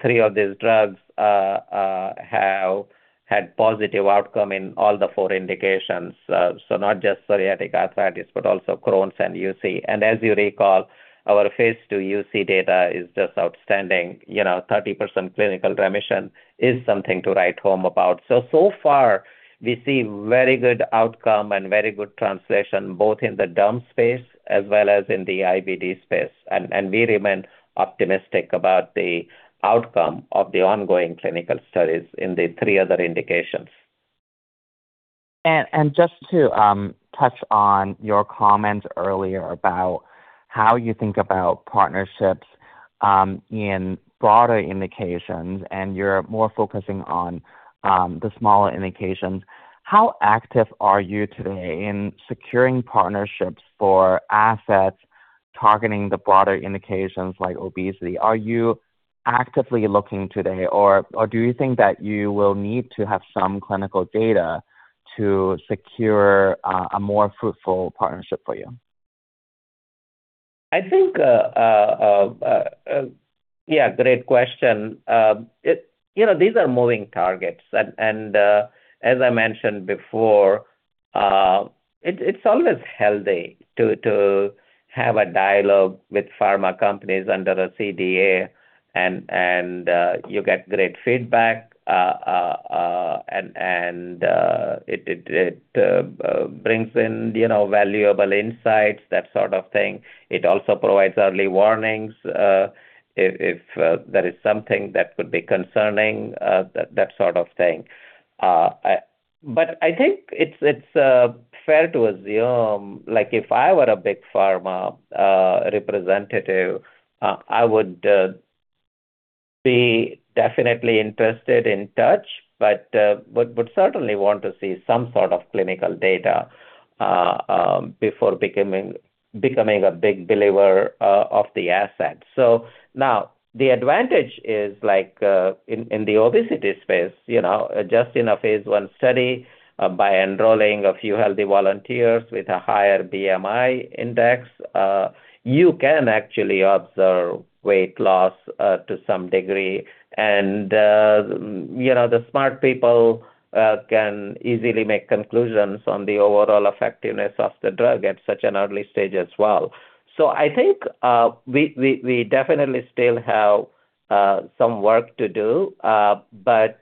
three of these drugs have had positive outcome in all four indications. So not just psoriatic arthritis but also Crohn's and UC. As you recall, our phase II UC data is just outstanding. You know, 30% clinical remission is something to write home about. So far we see very good outcome and very good translation both in the derm space as well as in the IBD space. We remain optimistic about the outcome of the ongoing clinical studies in the three other indications. Just to touch on your comments earlier about how you think about partnerships in broader indications and you're more focusing on the smaller indications, how active are you today in securing partnerships for assets targeting the broader indications like obesity? Are you actively looking today or do you think that you will need to have some clinical data to secure a more fruitful partnership for you? I think, yeah, great question. You know, these are moving targets. As I mentioned before, it's always healthy to have a dialogue with pharma companies under a CDA and you get great feedback, and it brings in, you know, valuable insights, that sort of thing. It also provides early warnings, if there is something that could be concerning, that sort of thing. I think it's fair to assume, like, if I were a big pharma representative, I would be definitely interested in TOUCH, but would certainly want to see some sort of clinical data, before becoming a big believer of the asset. Now the advantage is, like, in the obesity space, you know, just in a phase I study, by enrolling a few healthy volunteers with a higher BMI index, you can actually observe weight loss to some degree. You know, the smart people can easily make conclusions on the overall effectiveness of the drug at such an early stage as well. I think we definitely still have some work to do, but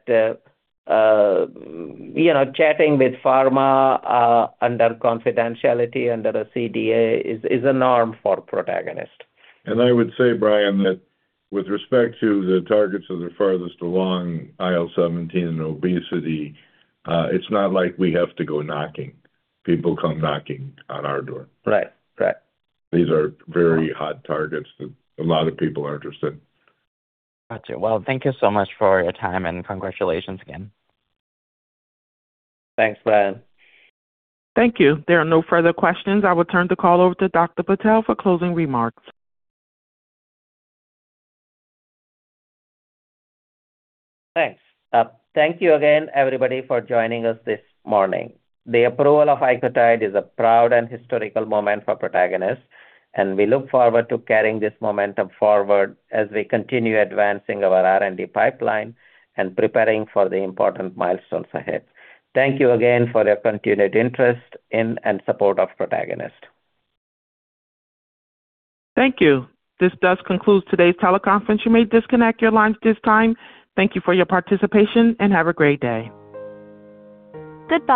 you know, chatting with pharma under confidentiality under a CDA is a norm for Protagonist. I would say, Ryan, that with respect to the targets that are farthest along IL-17 obesity, it's not like we have to go knocking. People come knocking on our door. Right. Right. These are very hot targets that a lot of people are interested. Got you. Well, thank you so much for your time, and congratulations again. Thanks, Ryan. Thank you. There are no further questions. I will turn the call over to Dr. Patel for closing remarks. Thanks. Thank you again, everybody, for joining us this morning. The approval of ICOTYDE is a proud and historical moment for Protagonist, and we look forward to carrying this momentum forward as we continue advancing our R&D pipeline and preparing for the important milestones ahead. Thank you again for your continued interest in and support of Protagonist. Thank you. This does conclude today's teleconference. You may disconnect your lines at this time. Thank you for your participation, and have a great day. Goodbye.